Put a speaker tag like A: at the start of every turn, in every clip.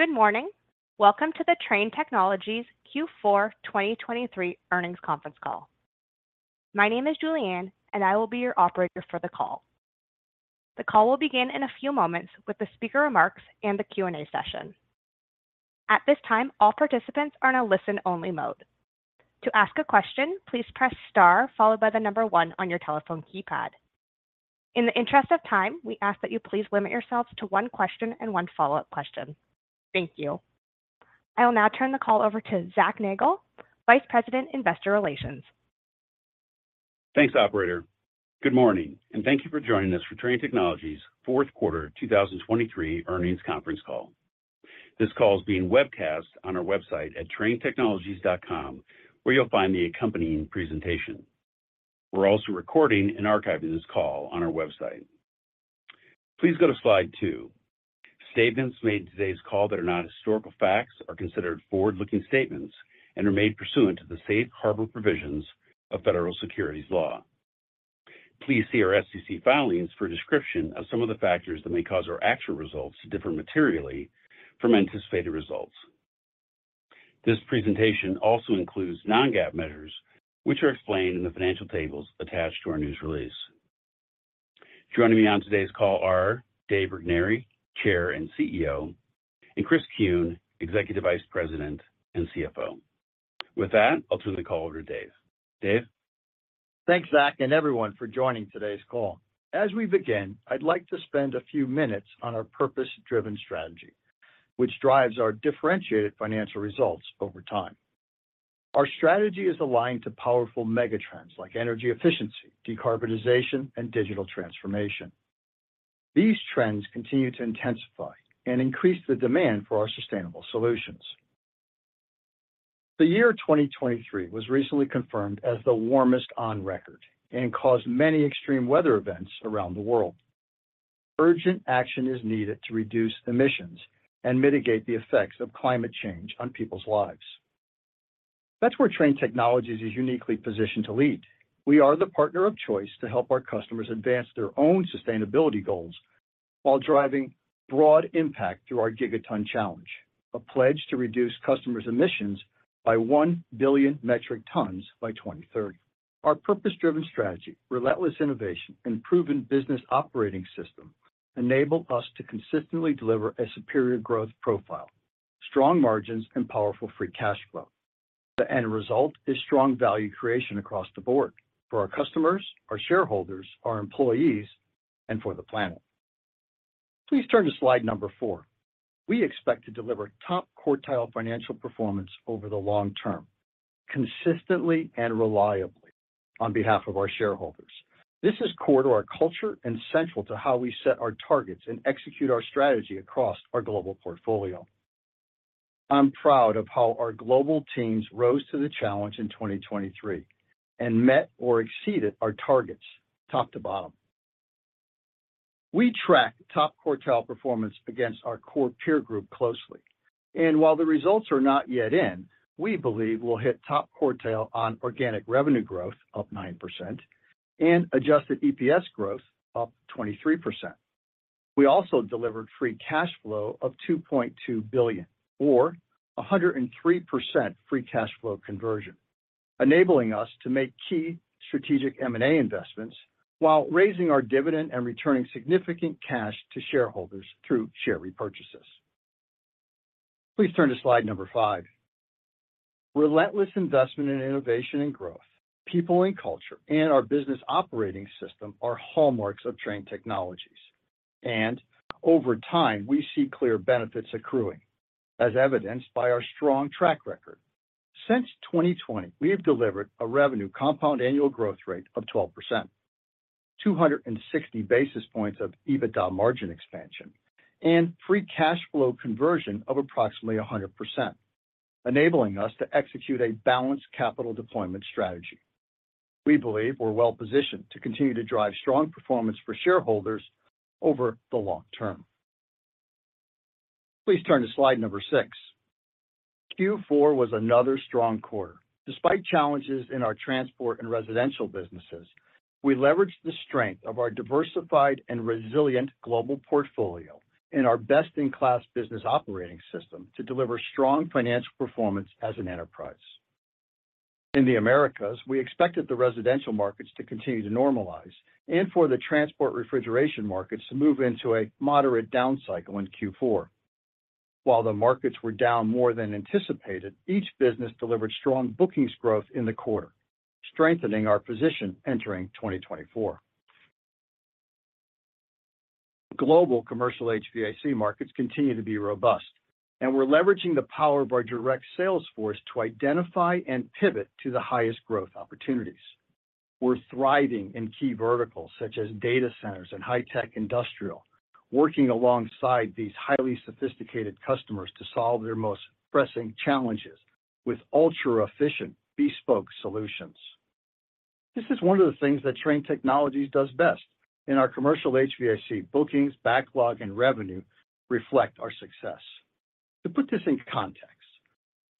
A: Good morning. Welcome to the Trane Technologies Q4 2023 earnings conference call. My name is Julianne, and I will be your operator for the call. The call will begin in a few moments with the speaker remarks and the Q&A session. At this time, all participants are in a listen-only mode. To ask a question, please press star followed by the number one on your telephone keypad. In the interest of time, we ask that you please limit yourselves to one question and one follow-up question. Thank you. I will now turn the call over to Zac Nagle, Vice President, Investor Relations.
B: Thanks, operator. Good morning, and thank you for joining us for Trane Technologies' fourth quarter 2023 earnings conference call. This call is being webcast on our website at tranetechnologies.com, where you'll find the accompanying presentation. We're also recording and archiving this call on our website. Please go to slide 2. Statements made in today's call that are not historical facts are considered forward-looking statements and are made pursuant to the safe harbor provisions of federal securities law. Please see our SEC filings for a description of some of the factors that may cause our actual results to differ materially from anticipated results. This presentation also includes non-GAAP measures, which are explained in the financial tables attached to our news release. Joining me on today's call are Dave Regnery, Chair and CEO, and Chris Kuehn, Executive Vice President and CFO. With that, I'll turn the call over to Dave. Dave?
C: Thanks, Zac, and everyone for joining today's call. As we begin, I'd like to spend a few minutes on our purpose-driven strategy, which drives our differentiated financial results over time. Our strategy is aligned to powerful megatrends like energy efficiency, decarbonization, and digital transformation. These trends continue to intensify and increase the demand for our sustainable solutions. The year 2023 was recently confirmed as the warmest on record and caused many extreme weather events around the world. Urgent action is needed to reduce emissions and mitigate the effects of climate change on people's lives. That's where Trane Technologies is uniquely positioned to lead. We are the partner of choice to help our customers advance their own sustainability goals while driving broad impact through our Gigaton Challenge, a pledge to reduce customers' emissions by 1 billion metric tons by 2030. Our purpose-driven strategy, relentless innovation, and proven business operating system enable us to consistently deliver a superior growth profile, strong margins, and powerful free cash flow. The end result is strong value creation across the board for our customers, our shareholders, our employees, and for the planet. Please turn to slide number 4. We expect to deliver top-quartile financial performance over the long term, consistently and reliably on behalf of our shareholders. This is core to our culture and central to how we set our targets and execute our strategy across our global portfolio. I'm proud of how our global teams rose to the challenge in 2023 and met or exceeded our targets top to bottom. We track top-quartile performance against our core peer group closely, and while the results are not yet in, we believe we'll hit top quartile on organic revenue growth, up 9%, and adjusted EPS growth, up 23%. We also delivered free cash flow of $2.2 billion, or 103% free cash flow conversion, enabling us to make key strategic M&A investments while raising our dividend and returning significant cash to shareholders through share repurchases. Please turn to slide number 5. Relentless investment in innovation and growth, people and culture, and our business operating system are hallmarks of Trane Technologies, and over time, we see clear benefits accruing, as evidenced by our strong track record. Since 2020, we have delivered a revenue compound annual growth rate of 12%, 260 basis points of EBITDA margin expansion, and free cash flow conversion of approximately 100%, enabling us to execute a balanced capital deployment strategy. We believe we're well positioned to continue to drive strong performance for shareholders over the long term. Please turn to slide number 6. Q4 was another strong quarter. Despite challenges in our transport and residential businesses, we leveraged the strength of our diversified and resilient global portfolio and our best-in-class business operating system to deliver strong financial performance as an enterprise. In the Americas, we expected the residential markets to continue to normalize and for the transport refrigeration markets to move into a moderate down cycle in Q4. While the markets were down more than anticipated, each business delivered strong bookings growth in the quarter, strengthening our position entering 2024. Global commercial HVAC markets continue to be robust, and we're leveraging the power of our direct sales force to identify and pivot to the highest growth opportunities. We're thriving in key verticals such as data centers and high-tech industrial, working alongside these highly sophisticated customers to solve their most pressing challenges with ultra-efficient, bespoke solutions. This is one of the things that Trane Technologies does best, and our commercial HVAC bookings, backlog, and revenue reflect our success. To put this into context,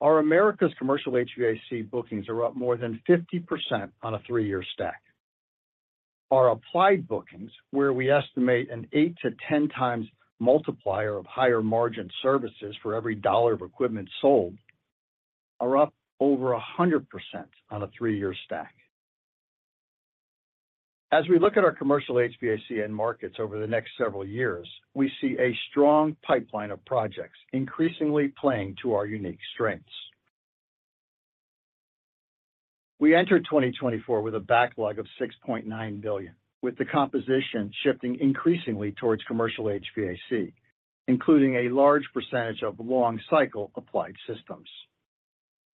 C: our Americas commercial HVAC bookings are up more than 50% on a 3-year stack.... Our applied bookings, where we estimate an 8-10 times multiplier of higher margin services for every dollar of equipment sold, are up over 100% on a 3-year stack. As we look at our commercial HVAC end markets over the next several years, we see a strong pipeline of projects increasingly playing to our unique strengths. We entered 2024 with a backlog of $6.9 billion, with the composition shifting increasingly towards commercial HVAC, including a large percentage of long-cycle applied systems.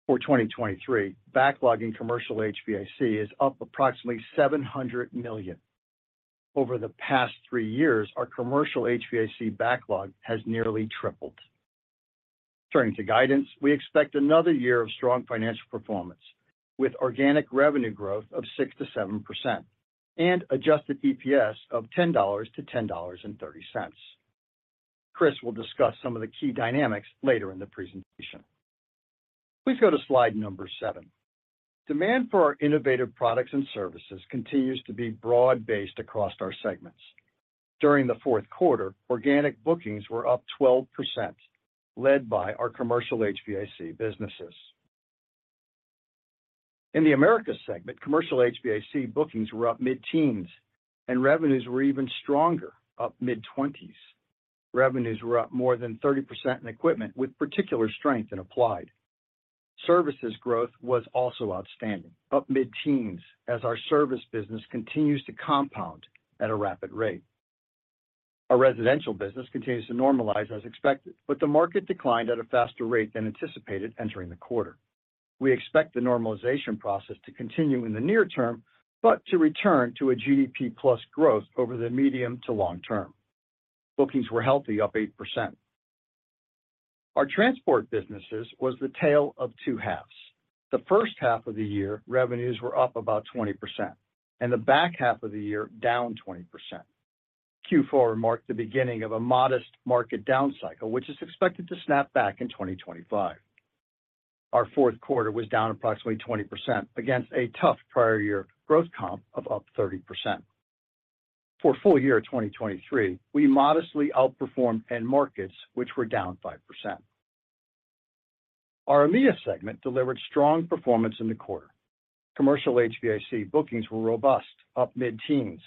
C: For 2023, backlog in commercial HVAC is up approximately $700 million. Over the past 3 years, our commercial HVAC backlog has nearly tripled. Turning to guidance, we expect another year of strong financial performance, with organic revenue growth of 6%-7% and adjusted EPS of $10-$10.30. Chris will discuss some of the key dynamics later in the presentation. Please go to slide number 7. Demand for our innovative products and services continues to be broad-based across our segments. During the fourth quarter, organic bookings were up 12%, led by our commercial HVAC businesses. In the Americas segment, commercial HVAC bookings were up mid-teens, and revenues were even stronger, up mid-twenties. Revenues were up more than 30% in equipment, with particular strength in Applied. Services growth was also outstanding, up mid-teens, as our service business continues to compound at a rapid rate. Our residential business continues to normalize as expected, but the market declined at a faster rate than anticipated entering the quarter. We expect the normalization process to continue in the near term, but to return to a GDP plus growth over the medium to long term. Bookings were healthy, up 8%. Our transport businesses was the tale of two halves. The first half of the year, revenues were up about 20%, and the back half of the year, down 20%. Q4 marked the beginning of a modest market down cycle, which is expected to snap back in 2025. Our fourth quarter was down approximately 20% against a tough prior year growth comp of up 30%. For full year 2023, we modestly outperformed end markets, which were down 5%. Our EMEA segment delivered strong performance in the quarter. Commercial HVAC bookings were robust, up mid-teens%.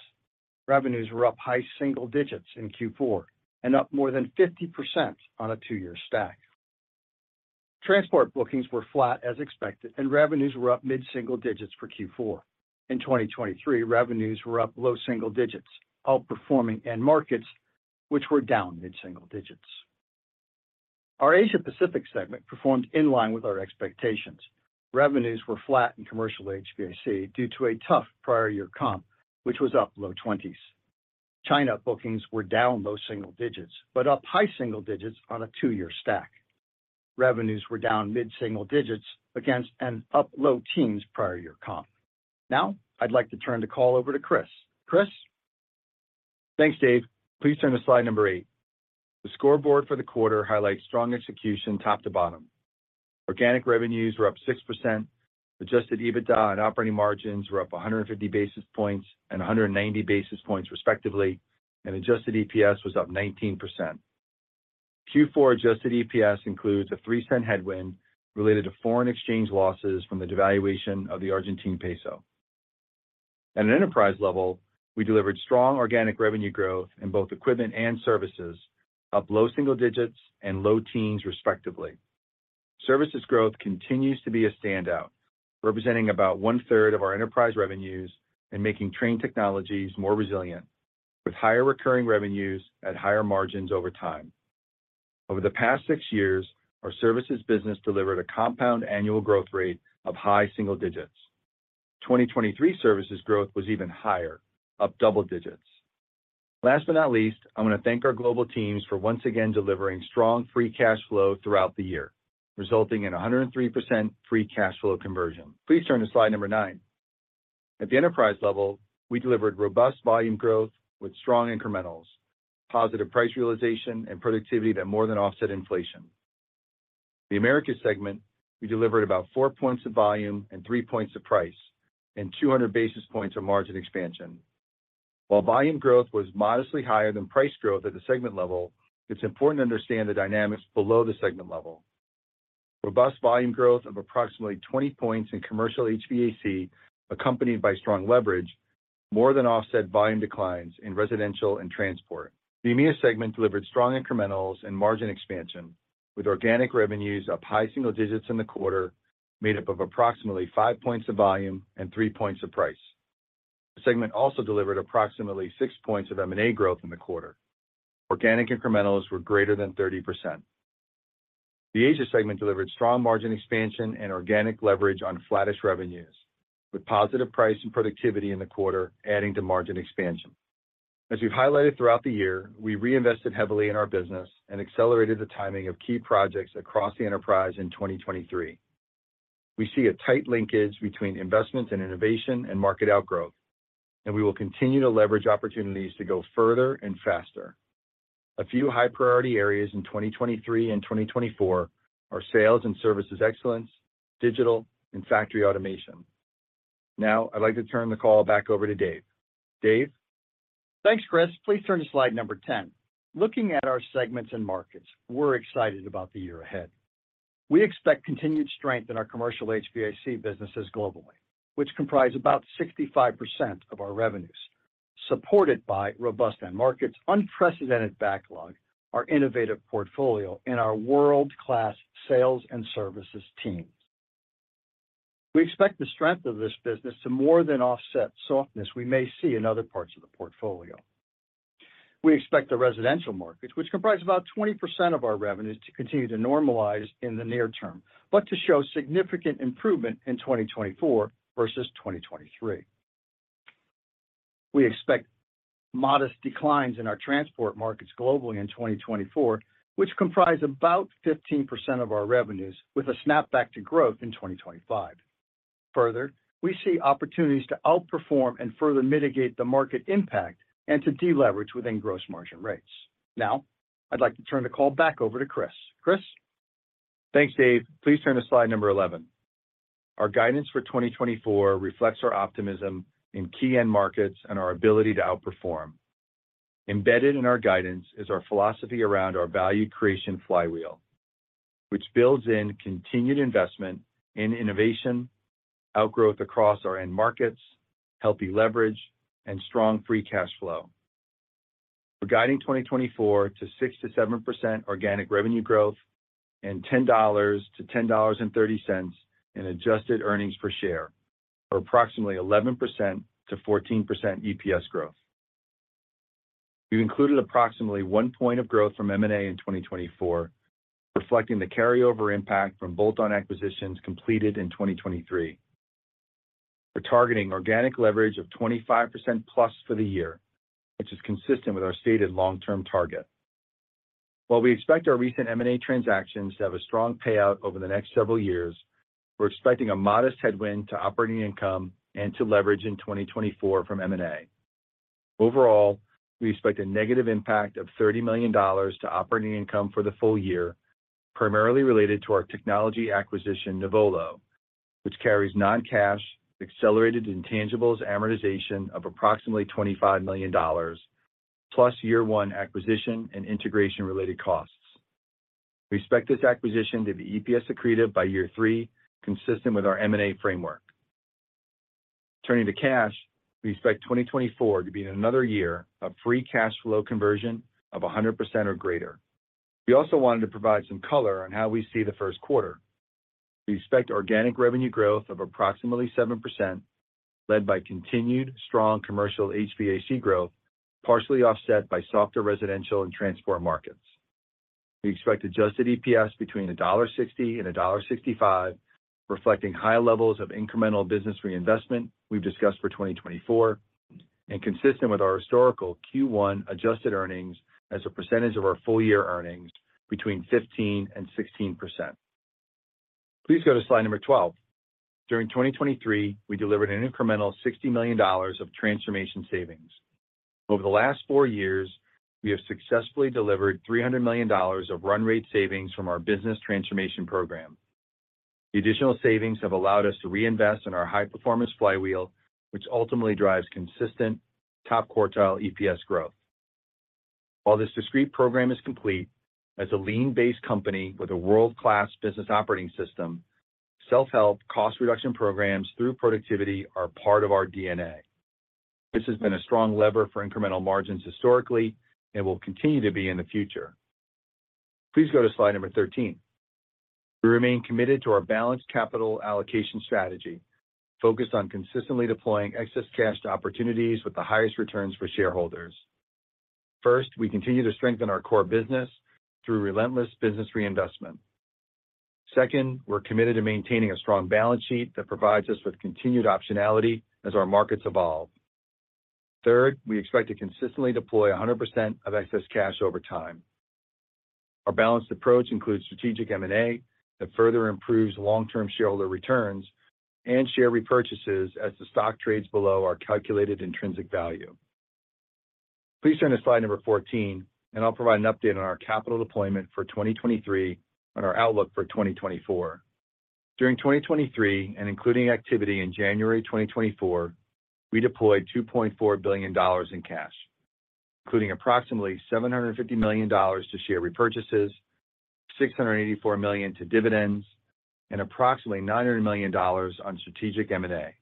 C: Revenues were up high single digits% in Q4 and up more than 50% on a two-year stack. Transport bookings were flat as expected, and revenues were up mid-single digits% for Q4. In 2023, revenues were up low single digits%, outperforming end markets, which were down mid-single digits%. Our Asia Pacific segment performed in line with our expectations. Revenues were flat in commercial HVAC due to a tough prior year comp, which was up low 20s. China bookings were down low single digits, but up high single digits on a two-year stack. Revenues were down mid-single digits against an up low teens prior year comp. Now, I'd like to turn the call over to Chris. Chris?
D: Thanks, Dave. Please turn to slide number 8. The scoreboard for the quarter highlights strong execution top to bottom. Organic revenues were up 6%, adjusted EBITDA and operating margins were up 150 basis points and 190 basis points, respectively, and adjusted EPS was up 19%. Q4 adjusted EPS includes a $0.03 headwind related to foreign exchange losses from the devaluation of the Argentine peso. At an enterprise level, we delivered strong organic revenue growth in both equipment and services, up low single digits and low teens, respectively. Services growth continues to be a standout, representing about one-third of our enterprise revenues and making Trane Technologies more resilient, with higher recurring revenues at higher margins over time. Over the past 6 years, our services business delivered a compound annual growth rate of high single digits. 2023 services growth was even higher, up double digits. Last but not least, I want to thank our global teams for once again delivering strong free cash flow throughout the year, resulting in 103% free cash flow conversion. Please turn to slide number 9. At the enterprise level, we delivered robust volume growth with strong incrementals, positive price realization, and productivity that more than offset inflation. The Americas segment, we delivered about 4 points of volume and 3 points of price, and 200 basis points of margin expansion. While volume growth was modestly higher than price growth at the segment level, it's important to understand the dynamics below the segment level. Robust volume growth of approximately 20 points in commercial HVAC, accompanied by strong leverage, more than offset volume declines in residential and transport. The EMEA segment delivered strong incrementals and margin expansion, with organic revenues up high single digits in the quarter, made up of approximately 5 points of volume and 3 points of price. The segment also delivered approximately 6 points of M&A growth in the quarter. Organic incrementals were greater than 30%. The Asia segment delivered strong margin expansion and organic leverage on flattish revenues, with positive price and productivity in the quarter adding to margin expansion. As we've highlighted throughout the year, we reinvested heavily in our business and accelerated the timing of key projects across the enterprise in 2023. We see a tight linkage between investment and innovation and market outgrowth, and we will continue to leverage opportunities to go further and faster.... A few high priority areas in 2023 and 2024 are sales and services excellence, digital, and factory automation. Now, I'd like to turn the call back over to Dave. Dave?
C: Thanks, Chris. Please turn to slide number 10. Looking at our segments and markets, we're excited about the year ahead. We expect continued strength in our commercial HVAC businesses globally, which comprise about 65% of our revenues, supported by robust end markets, unprecedented backlog, our innovative portfolio, and our world-class sales and services teams. We expect the strength of this business to more than offset softness we may see in other parts of the portfolio. We expect the residential markets, which comprise about 20% of our revenues, to continue to normalize in the near term, but to show significant improvement in 2024 versus 2023. We expect modest declines in our transport markets globally in 2024, which comprise about 15% of our revenues, with a snapback to growth in 2025. Further, we see opportunities to outperform and further mitigate the market impact and to deleverage within gross margin rates. Now, I'd like to turn the call back over to Chris. Chris?
D: Thanks, Dave. Please turn to slide 11. Our guidance for 2024 reflects our optimism in key end markets and our ability to outperform. Embedded in our guidance is our philosophy around our value creation flywheel, which builds in continued investment in innovation, outgrowth across our end markets, healthy leverage, and strong free cash flow. We're guiding 2024 to 6%-7% organic revenue growth and $10-$10.30 in adjusted earnings per share, or approximately 11%-14% EPS growth. We've included approximately 1 point of growth from M&A in 2024, reflecting the carryover impact from bolt-on acquisitions completed in 2023. We're targeting organic leverage of 25%+ for the year, which is consistent with our stated long-term target. While we expect our recent M&A transactions to have a strong payout over the next several years, we're expecting a modest headwind to operating income and to leverage in 2024 from M&A. Overall, we expect a negative impact of $30 million to operating income for the full year, primarily related to our technology acquisition, Nuvolo, which carries non-cash, accelerated intangibles amortization of approximately $25 million, plus year one acquisition and integration-related costs. We expect this acquisition to be EPS accretive by year 3, consistent with our M&A framework. Turning to cash, we expect 2024 to be another year of free cash flow conversion of 100% or greater. We also wanted to provide some color on how we see the first quarter. We expect organic revenue growth of approximately 7%, led by continued strong commercial HVAC growth, partially offset by softer residential and transport markets. We expect adjusted EPS between $1.60 and $1.65, reflecting high levels of incremental business reinvestment we've discussed for 2024, and consistent with our historical Q1 adjusted earnings as a percentage of our full-year earnings between 15% and 16%. Please go to slide 12. During 2023, we delivered an incremental $60 million of transformation savings. Over the last 4 years, we have successfully delivered $300 million of run rate savings from our business transformation program. The additional savings have allowed us to reinvest in our high-performance flywheel, which ultimately drives consistent top-quartile EPS growth. While this discrete program is complete, as a lean-based company with a world-class business operating system, self-help cost reduction programs through productivity are part of our DNA. This has been a strong lever for incremental margins historically and will continue to be in the future. Please go to slide number 13. We remain committed to our balanced capital allocation strategy, focused on consistently deploying excess cash to opportunities with the highest returns for shareholders. First, we continue to strengthen our core business through relentless business reinvestment. Second, we're committed to maintaining a strong balance sheet that provides us with continued optionality as our markets evolve. Third, we expect to consistently deploy 100% of excess cash over time. Our balanced approach includes strategic M&A that further improves long-term shareholder returns and share repurchases as the stock trades below our calculated intrinsic value. Please turn to slide number 14, and I'll provide an update on our capital deployment for 2023 and our outlook for 2024. During 2023, and including activity in January 2024, we deployed $2.4 billion in cash, including approximately $750 million to share repurchases, $684 million to dividends, and approximately $900 million on strategic M&A.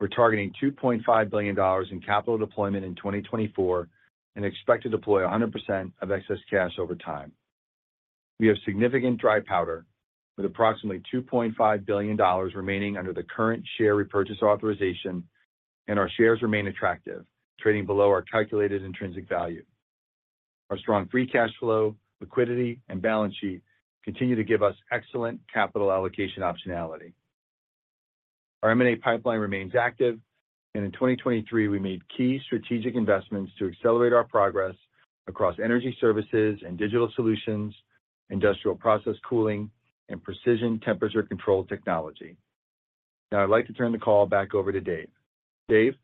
D: We're targeting $2.5 billion in capital deployment in 2024 and expect to deploy 100% of excess cash over time. We have significant dry powder with approximately $2.5 billion remaining under the current share repurchase authorization, and our shares remain attractive, trading below our calculated intrinsic value. Our strong free cash flow, liquidity, and balance sheet continue to give us excellent capital allocation optionality. Our M&A pipeline remains active, and in 2023, we made key strategic investments to accelerate our progress across energy services and digital solutions, industrial process cooling, and precision temperature control technology. Now I'd like to turn the call back over to Dave. Dave?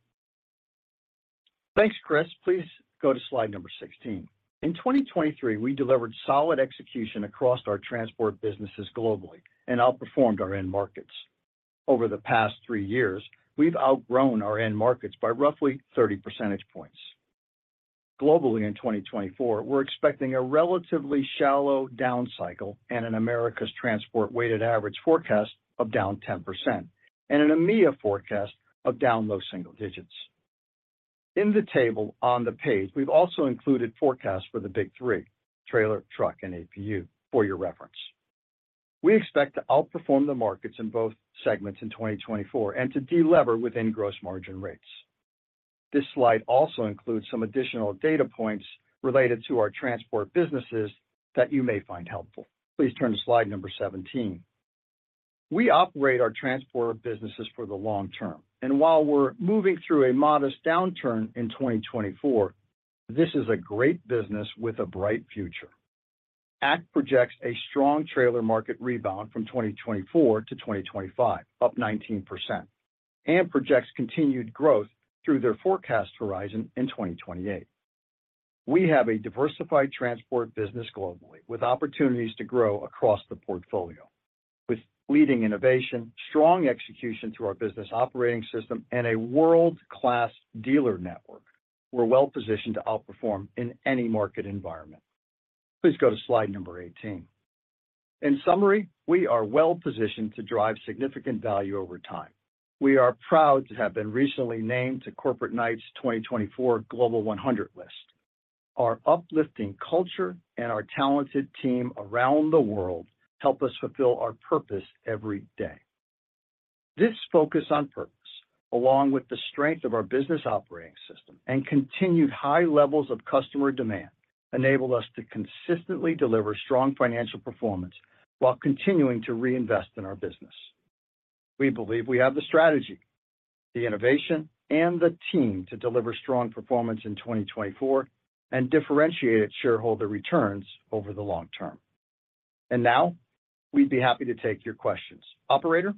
C: Thanks, Chris. Please go to slide number 16. In 2023, we delivered solid execution across our transport businesses globally and outperformed our end markets. Over the past three years, we've outgrown our end markets by roughly 30 percentage points. Globally, in 2024, we're expecting a relatively shallow down cycle and an Americas transport weighted average forecast of down 10% and an EMEA forecast of down low single digits. In the table on the page, we've also included forecasts for the big three: trailer, truck, and APU for your reference. We expect to outperform the markets in both segments in 2024 and to delever within gross margin rates. This slide also includes some additional data points related to our transport businesses that you may find helpful. Please turn to slide number 17. We operate our transport businesses for the long term, and while we're moving through a modest downturn in 2024, this is a great business with a bright future. ACT projects a strong trailer market rebound from 2024 to 2025, up 19%, and projects continued growth through their forecast horizon in 2028. We have a diversified transport business globally, with opportunities to grow across the portfolio. With leading innovation, strong execution through our business operating system, and a world-class dealer network, we're well positioned to outperform in any market environment. Please go to slide number 18. In summary, we are well positioned to drive significant value over time. We are proud to have been recently named to Corporate Knights' 2024 Global 100 list. Our uplifting culture and our talented team around the world help us fulfill our purpose every day. This focus on purpose, along with the strength of our business operating system and continued high levels of customer demand, enable us to consistently deliver strong financial performance while continuing to reinvest in our business. We believe we have the strategy, the innovation, and the team to deliver strong performance in 2024 and differentiated shareholder returns over the long term. And now, we'd be happy to take your questions. Operator?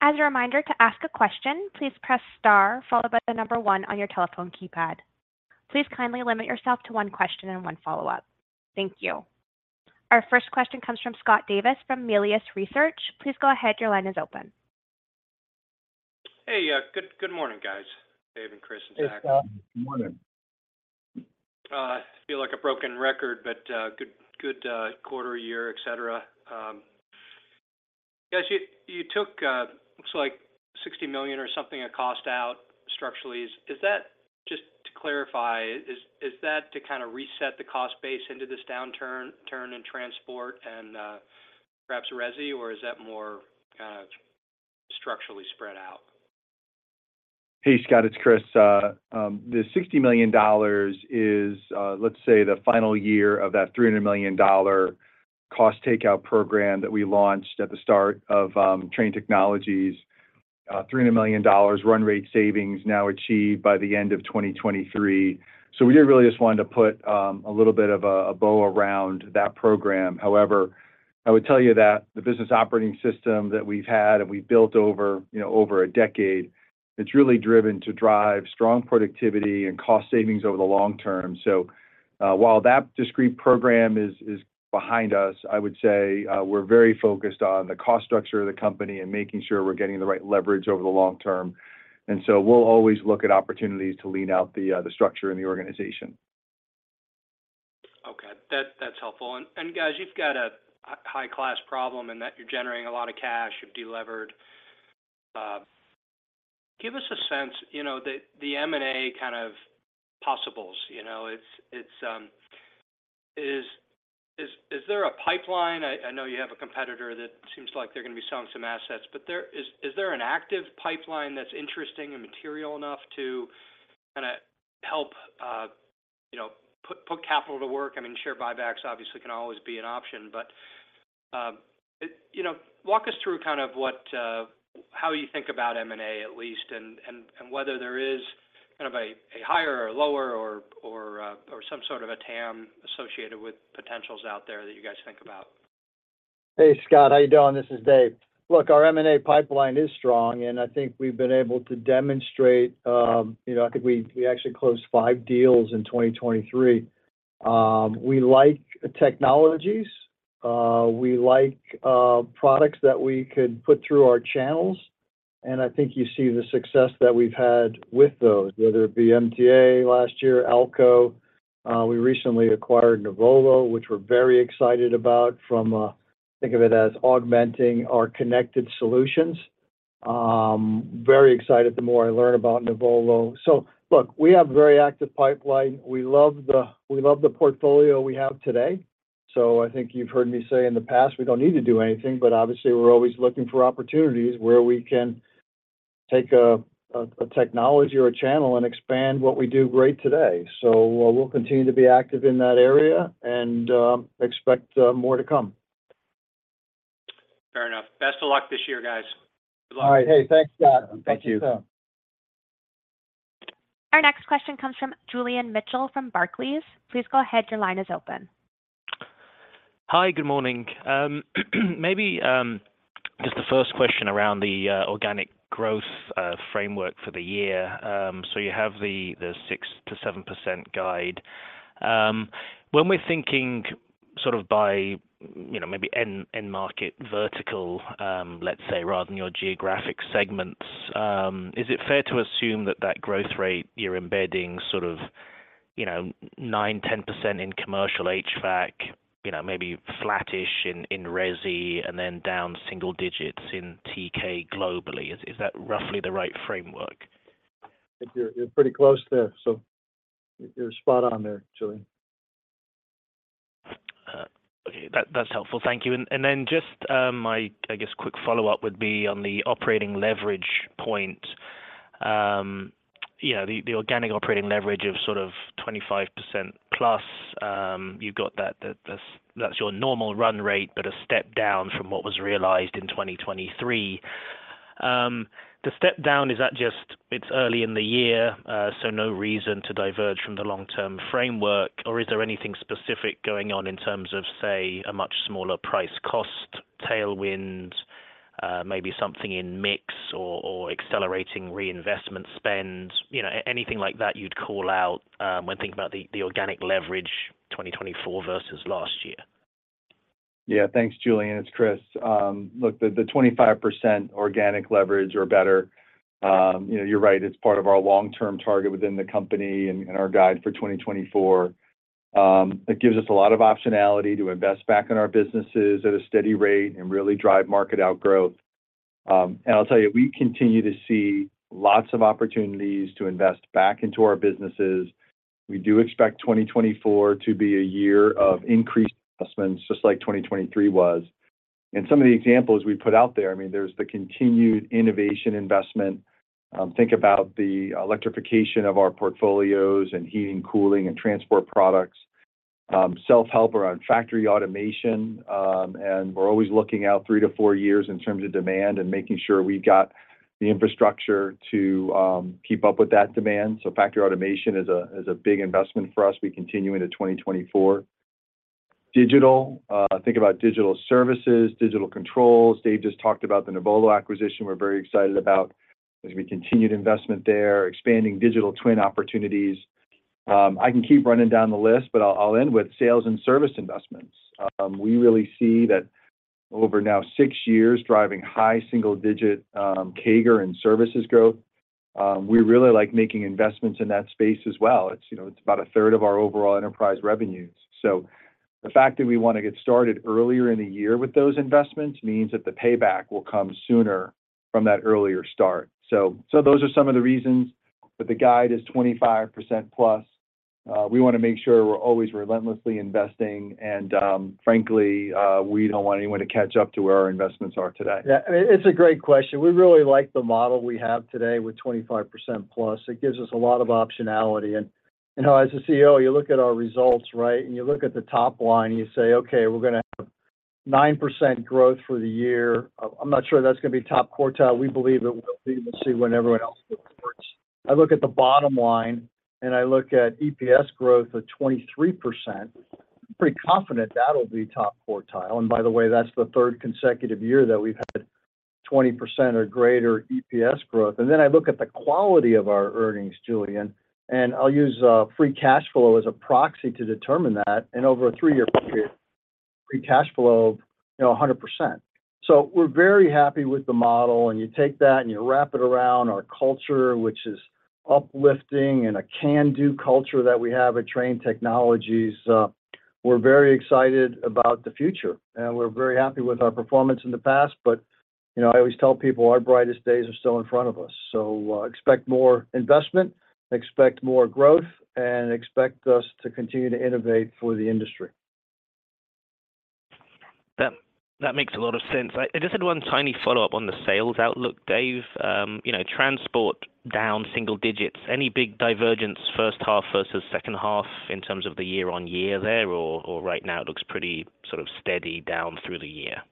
A: As a reminder, to ask a question, please press star followed by the number one on your telephone keypad. Please kindly limit yourself to one question and one follow-up. Thank you. Our first question comes from Scott Davis from Melius Research. Please go ahead. Your line is open.
E: Hey, good morning, guys, Dave, Chris, and Zac.
C: Hey, Scott. Good morning.
E: I feel like a broken record, but good, good quarter year, et cetera. Guys, you took, looks like $60 million or something, a cost out structurally. Is that, just to clarify, is that to kind of reset the cost base into this downturn turn in transport and, perhaps resi, or is that more kind of structurally spread out?
D: Hey, Scott, it's Chris. The $60 million is, let's say, the final year of that $300 million cost takeout program that we launched at the start of Trane Technologies. $300 million run rate savings now achieved by the end of 2023. So we did really just wanted to put a little bit of a bow around that program. However, I would tell you that the business operating system that we've had and we've built over, you know, over a decade, it's really driven to drive strong productivity and cost savings over the long term. So, while that discrete program is behind us, I would say, we're very focused on the cost structure of the company and making sure we're getting the right leverage over the long term. And so we'll always look at opportunities to lean out the structure in the organization.
E: Okay. That, that's helpful. And, and, guys, you've got a high-class problem in that you're generating a lot of cash, you've delevered. Give us a sense, you know, the M&A kind of possibles. You know, it's, it's, is there a pipeline? I know you have a competitor that seems like they're gonna be selling some assets, but there is an active pipeline that's interesting and material enough to kind of help, you know, put capital to work? I mean, share buybacks obviously can always be an option, but, you know, walk us through kind of what, how you think about M&A at least, and whether there is kind of a higher or lower or some sort of a TAM associated with potentials out there that you guys think about.
C: Hey, Scott. How you doing? This is Dave. Look, our M&A pipeline is strong, and I think we've been able to demonstrate, you know, I think we actually closed 5 deals in 2023. We like technologies, we like products that we could put through our channels, and I think you see the success that we've had with those, whether it be MTA last year, AL-KO. We recently acquired Nuvolo, which we're very excited about from, think of it as augmenting our connected solutions. Very excited the more I learn about Nuvolo. So look, we have a very active pipeline. We love the, we love the portfolio we have today. I think you've heard me say in the past, we don't need to do anything, but obviously, we're always looking for opportunities where we can take a technology or a channel and expand what we do great today. We'll continue to be active in that area and expect more to come.
E: Fair enough. Best of luck this year, guys. Good luck.
C: All right. Hey, thanks, Scott.
D: Thank you.
A: Our next question comes from Julian Mitchell from Barclays. Please go ahead. Your line is open.
F: Hi, good morning. Maybe, just the first question around the organic growth framework for the year. So you have the 6%-7% guide. When we're thinking sort of by, you know, maybe end market vertical, let's say, rather than your geographic segments, is it fair to assume that that growth rate you're embedding sort of, you know, 9%-10% in commercial HVAC, you know, maybe flattish in resi, and then down single digits in TK globally? Is that roughly the right framework?
C: I think you're pretty close there, so you're spot on there, Julian.
F: Okay. That's helpful. Thank you. And, and then just, my, I guess, quick follow-up would be on the operating leverage point. Yeah, the organic operating leverage of sort of 25% plus, you've got that, that's your normal run rate, but a step down from what was realized in 2023. The step down, is that just it's early in the year, so no reason to diverge from the long-term framework, or is there anything specific going on in terms of, say, a much smaller price-cost tailwind, maybe something in mix or accelerating reinvestment spend? You know, anything like that you'd call out, when thinking about the organic leverage 2024 versus last year.
D: Yeah. Thanks, Julian. It's Chris. Look, the 25% organic leverage or better, you know, you're right. It's part of our long-term target within the company and our guide for 2024. It gives us a lot of optionality to invest back in our businesses at a steady rate and really drive market outgrowth. And I'll tell you, we continue to see lots of opportunities to invest back into our businesses. We do expect 2024 to be a year of increased investments, just like 2023 was. And some of the examples we put out there, I mean, there's the continued innovation investment. Think about the electrification of our portfolios and heating, cooling, and transport products, self-help around factory automation, and we're always looking out three to four years in terms of demand and making sure we've got the infrastructure to keep up with that demand. So factory automation is a big investment for us. We continue into 2024. Digital, think about digital services, digital controls. Dave just talked about the Nuvolo acquisition we're very excited about as we continue investment there, expanding digital twin opportunities. I can keep running down the list, but I'll end with sales and service investments. We really see that over now six years, driving high single digit CAGR and services growth. We really like making investments in that space as well. It's, you know, it's about a third of our overall enterprise revenues. So the fact that we want to get started earlier in the year with those investments means that the payback will come sooner from that earlier start. So those are some of the reasons, but the guide is 25%+. We wanna make sure we're always relentlessly investing, and, frankly, we don't want anyone to catch up to where our investments are today.
C: Yeah, it's a great question. We really like the model we have today with 25% plus. It gives us a lot of optionality. You know, as a CEO, you look at our results, right? You look at the top line, and you say, "Okay, we're gonna have 9% growth for the year." I'm not sure that's gonna be top quartile. We believe it will be. We'll see when everyone else reports. I look at the bottom line, and I look at EPS growth of 23%. I'm pretty confident that'll be top quartile, and by the way, that's the third consecutive year that we've had 20% or greater EPS growth. Then I look at the quality of our earnings, Julian, and I'll use free cash flow as a proxy to determine that, and over a three-year period, free cash flow, you know, 100%. So we're very happy with the model, and you take that, and you wrap it around our culture, which is uplifting and a can-do culture that we have at Trane Technologies. We're very excited about the future, and we're very happy with our performance in the past. But, you know, I always tell people our brightest days are still in front of us. So, expect more investment, expect more growth, and expect us to continue to innovate for the industry.
F: That makes a lot of sense. I just had one tiny follow-up on the sales outlook, Dave. You know, transport down single digits, any big divergence first half versus second half in terms of the year-on-year there, or right now it looks pretty sort of steady down through the year?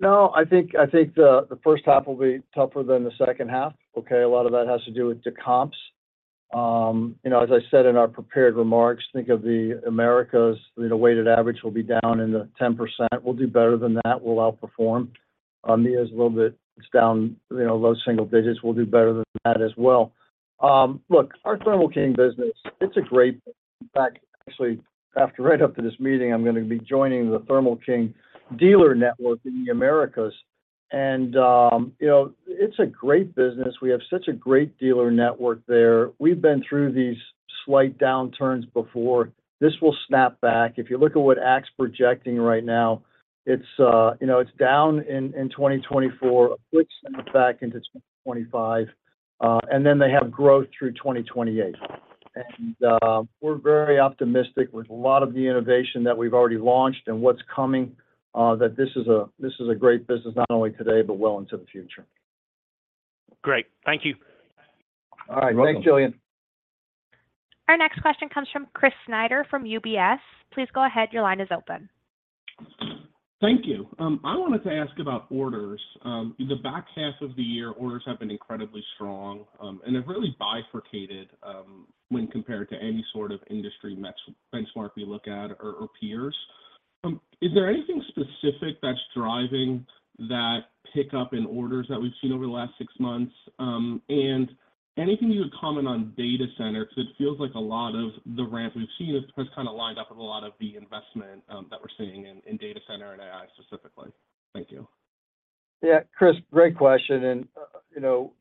C: No, I think the first half will be tougher than the second half. Okay, a lot of that has to do with the comps. You know, as I said in our prepared remarks, think of the Americas, you know, weighted average will be down in the 10%. We'll do better than that. We'll outperform. EMEA is a little bit down, you know, low single digits. We'll do better than that as well. Look, our Thermo King business, it's a great business. In fact, actually, right after this meeting, I'm gonna be joining the Thermo King dealer network in the Americas. And, you know, it's a great business. We have such a great dealer network there. We've been through these slight downturns before. This will snap back. If you look at what ACT's projecting right now, it's, you know, it's down in 2024, a quick snap back into 2025, and then they have growth through 2028. We're very optimistic with a lot of the innovation that we've already launched and what's coming, that this is a, this is a great business, not only today, but well into the future.
F: Great. Thank you.
C: All right.
D: You're welcome.
F: Thanks, Julian.
A: Our next question comes from Chris Snyder from UBS. Please go ahead. Your line is open.
G: Thank you. I wanted to ask about orders. In the back half of the year, orders have been incredibly strong, and they've really bifurcated when compared to any sort of industry match benchmark we look at or peers. Is there anything specific that's driving that pickup in orders that we've seen over the last six months? And anything you would comment on data center, 'cause it feels like a lot of the ramp we've seen has kind of lined up with a lot of the investment that we're seeing in data center and AI specifically. Thank you.
C: Yeah, Chris, great question, and, you know,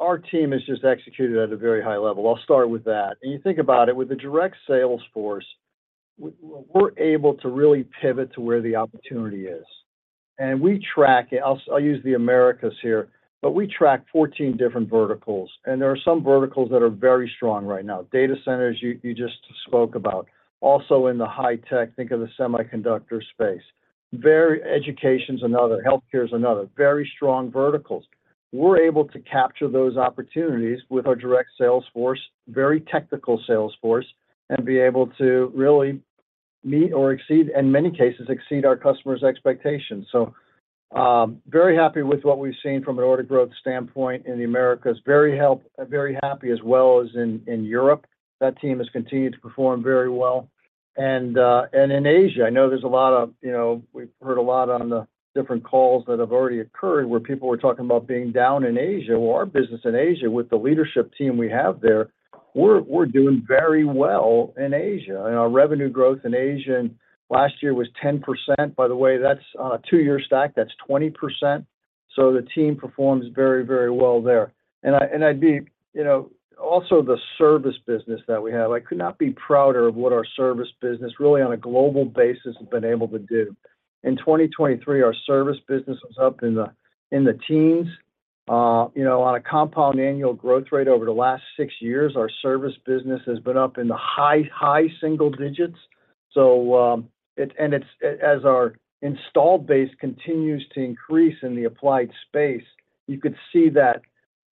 C: our team has just executed at a very high level. I'll start with that. And you think about it, with the direct sales force, we're able to really pivot to where the opportunity is. And we track it. I'll use the Americas here, but we track 14 different verticals, and there are some verticals that are very strong right now. Data centers, you, you just spoke about. Also in the high tech, think of the semiconductor space. Education's another, healthcare is another, very strong verticals. We're able to capture those opportunities with our direct sales force, very technical sales force, and be able to really meet or exceed, in many cases, exceed our customers' expectations. So, very happy with what we've seen from an order growth standpoint in the Americas. Very happy as well as in Europe. That team has continued to perform very well. And in Asia, I know there's a lot of... You know, we've heard a lot on the different calls that have already occurred, where people were talking about being down in Asia. Well, our business in Asia, with the leadership team we have there, we're doing very well in Asia. And our revenue growth in Asia last year was 10%. By the way, that's a two-year stack. That's 20%. So the team performs very, very well there. And, you know, also the service business that we have, I could not be prouder of what our service business, really on a global basis, has been able to do. In 2023, our service business was up in the teens. You know, on a compound annual growth rate over the last six years, our service business has been up in the high single digits. As our installed base continues to increase in the applied space, you could see that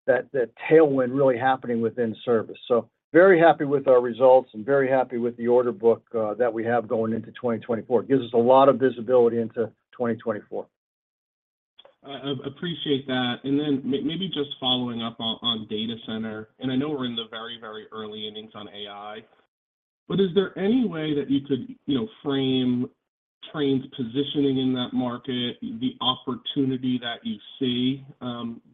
C: tailwind really happening within service. So very happy with our results and very happy with the order book that we have going into 2024. It gives us a lot of visibility into 2024.
G: I, I appreciate that. And then maybe just following up on data center, and I know we're in the very, very early innings on AI, but is there any way that you could, you know, frame Trane's positioning in that market, the opportunity that you see,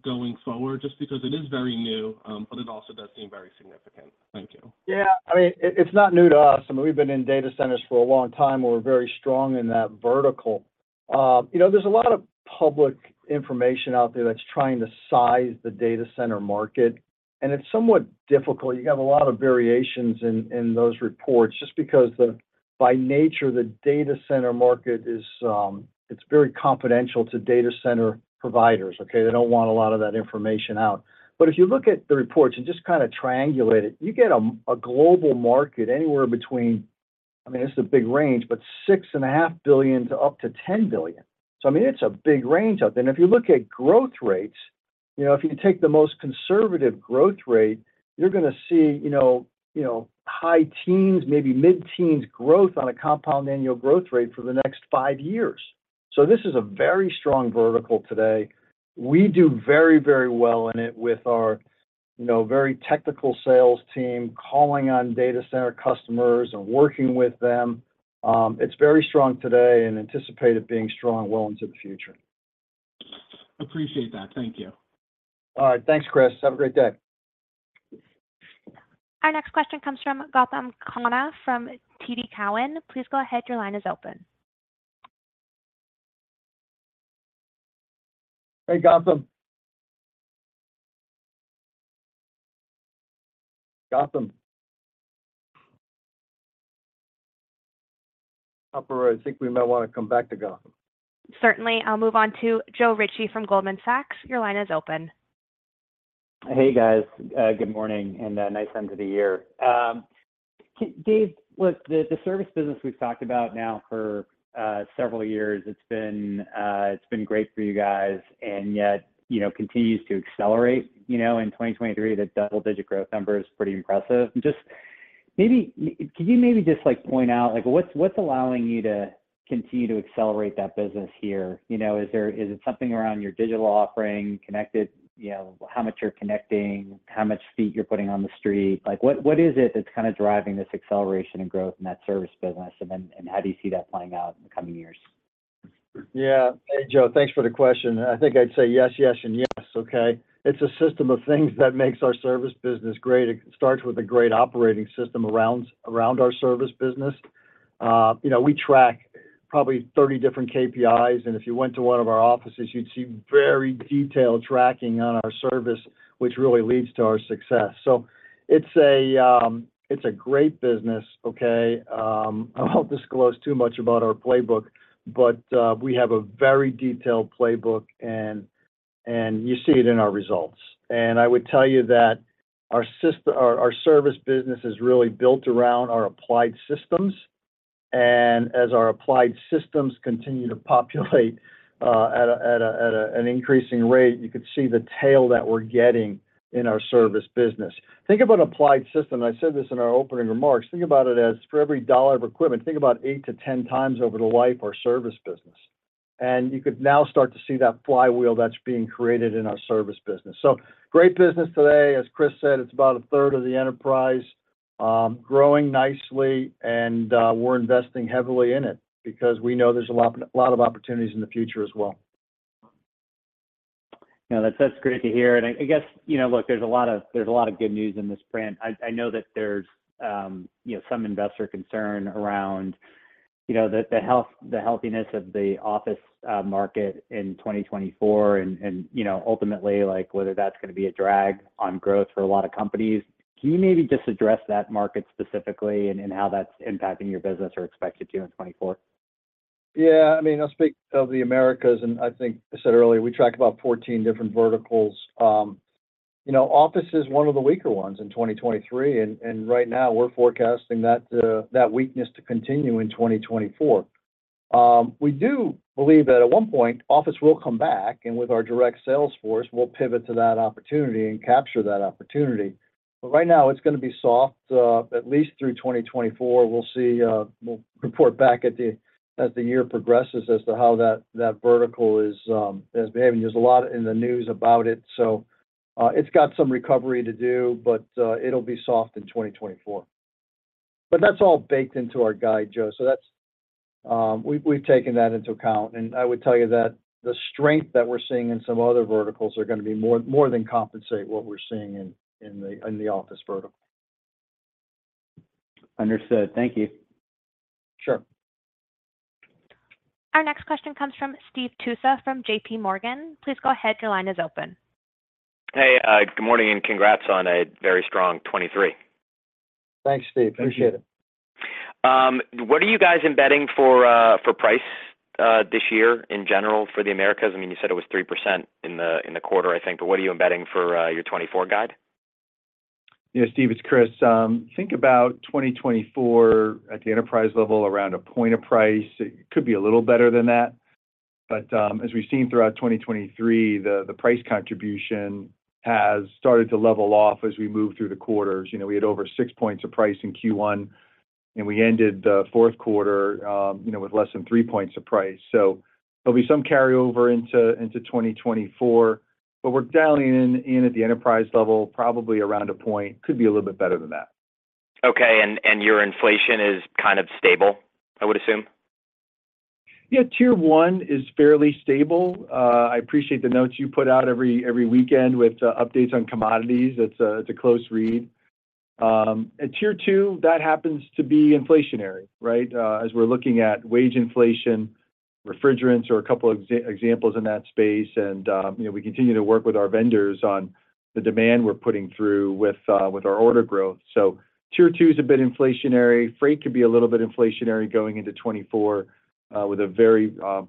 G: going forward? Just because it is very new, but it also does seem very significant. Thank you.
C: Yeah. I mean, it, it's not new to us. I mean, we've been in data centers for a long time, and we're very strong in that vertical. You know, there's a lot of public information out there that's trying to size the data center market, and it's somewhat difficult. You have a lot of variations in those reports just because by nature, the data center market is, it's very confidential to data center providers, okay? They don't want a lot of that information out. But if you look at the reports and just kinda triangulate it, you get a global market anywhere between, I mean, this is a big range, but $6.5 billion-$10 billion. So, I mean, it's a big range out there. If you look at growth rates, you know, if you take the most conservative growth rate, you're gonna see, you know, you know, high teens, maybe mid-teens growth on a compound annual growth rate for the next five years. This is a very strong vertical today. We do very, very well in it with our, you know, very technical sales team calling on data center customers and working with them. It's very strong today and anticipated being strong well into the future.
G: Appreciate that. Thank you.
C: All right. Thanks, Chris. Have a great day.
A: Our next question comes from Gautam Khanna from TD Cowen. Please go ahead. Your line is open.
C: Hey, Gautam... Gautam? Operator, I think we might want to come back to Gautam.
A: Certainly. I'll move on to Joe Ritchie from Goldman Sachs. Your line is open.
H: Hey, guys. Good morning, and a nice end to the year. Dave, look, the service business we've talked about now for several years, it's been great for you guys, and yet, you know, continues to accelerate. You know, in 2023, the double-digit growth number is pretty impressive. Just maybe could you maybe just, like, point out, like, what's allowing you to continue to accelerate that business here? You know, is it something around your digital offering, connected, you know, how much you're connecting, how much feet you're putting on the street? Like, what is it that's kind of driving this acceleration and growth in that service business, and then how do you see that playing out in the coming years?
C: Yeah. Hey, Joe, thanks for the question. I think I'd say yes, yes, and yes, okay? It's a system of things that makes our service business great. It starts with a great operating system around our service business. You know, we track probably 30 different KPIs, and if you went to one of our offices, you'd see very detailed tracking on our service, which really leads to our success. So it's a great business, okay? I won't disclose too much about our playbook, but we have a very detailed playbook, and you see it in our results. And I would tell you that our service business is really built around our Applied Systems, and as our Applied Systems continue to populate at an increasing rate, you could see the tail that we're getting in our service business. Think about Applied system. I said this in our opening remarks. Think about it as for every dollar of equipment, think about 8-10 times over the life of our service business.
D: and you could now start to see that flywheel that's being created in our service business. Great business today. As Chris said, it's about a third of the enterprise, growing nicely, and we're investing heavily in it because we know there's a lot, a lot of opportunities in the future as well.
I: Now, that's great to hear, and I guess, you know, look, there's a lot of good news in this print. I know that there's, you know, some investor concern around, you know, the healthiness of the office market in 2024, and, you know, ultimately, like, whether that's going to be a drag on growth for a lot of companies. Can you maybe just address that market specifically and how that's impacting your business or expected to in 2024?
D: Yeah, I mean, I'll speak of the Americas, and I think I said earlier, we track about 14 different verticals. You know, office is one of the weaker ones in 2023, and right now we're forecasting that that weakness to continue in 2024. We do believe that at one point, office will come back, and with our direct sales force, we'll pivot to that opportunity and capture that opportunity. But right now, it's going to be soft, at least through 2024. We'll see... we'll report back as the year progresses as to how that that vertical is behaving. There's a lot in the news about it, so, it's got some recovery to do, but, it'll be soft in 2024. But that's all baked into our guide, Joe. So that's, we've taken that into account, and I would tell you that the strength that we're seeing in some other verticals are going to be more than compensate what we're seeing in the office vertical.
I: Understood. Thank you.
D: Sure.
A: Our next question comes from Steve Tusa from JP Morgan. Please go ahead. Your line is open.
J: Hey, good morning, and congrats on a very strong 2023.
D: Thanks, Steve. Appreciate it.
J: What are you guys embedding for, for price this year in general for the Americas? I mean, you said it was 3% in the quarter, I think, but what are you embedding for your 2024 guide?
D: Yeah, Steve, it's Chris. Think about 2024 at the enterprise level, around 1 point of price. It could be a little better than that, but as we've seen throughout 2023, the price contribution has started to level off as we move through the quarters. You know, we had over 6 points of price in Q1, and we ended the fourth quarter, you know, with less than 3 points of price. So there'll be some carryover into 2024, but we're dialing in at the enterprise level, probably around 1 point. Could be a little bit better than that.
J: Okay. And your inflation is kind of stable, I would assume?
D: Yeah, Tier One is fairly stable. I appreciate the notes you put out every weekend with updates on commodities. It's a close read. At Tier Two, that happens to be inflationary, right? As we're looking at wage inflation, refrigerants are a couple of examples in that space. And, you know, we continue to work with our vendors on the demand we're putting through with our order growth. So Tier Two is a bit inflationary. Freight could be a little bit inflationary going into 2024, with a very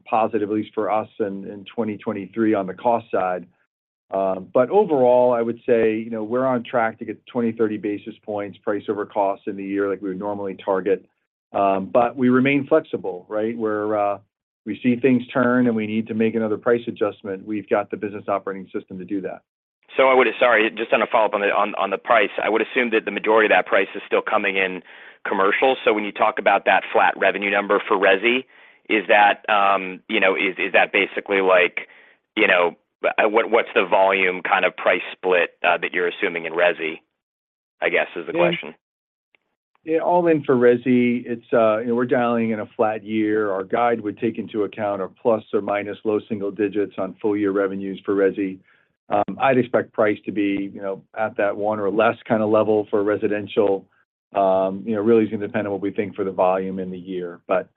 D: positive, at least for us in 2023 on the cost side. But overall, I would say, you know, we're on track to get 20-30 basis points price over costs in the year like we would normally target. But we remain flexible, right? Where we see things turn, and we need to make another price adjustment. We've got the business operating system to do that.
J: So, sorry, just on a follow-up on the price, I would assume that the majority of that price is still coming in commercial. So when you talk about that flat revenue number for resi, is that, you know, basically like, you know, what's the volume kind of price split that you're assuming in resi, I guess, is the question?
D: Yeah, all in for resi, it's, you know, we're dialing in a flat year. Our guide would take into account a ± low single digits on full year revenues for resi. I'd expect price to be, you know, at that one or less kind of level for residential. You know, really is going to depend on what we think for the volume in the year, but,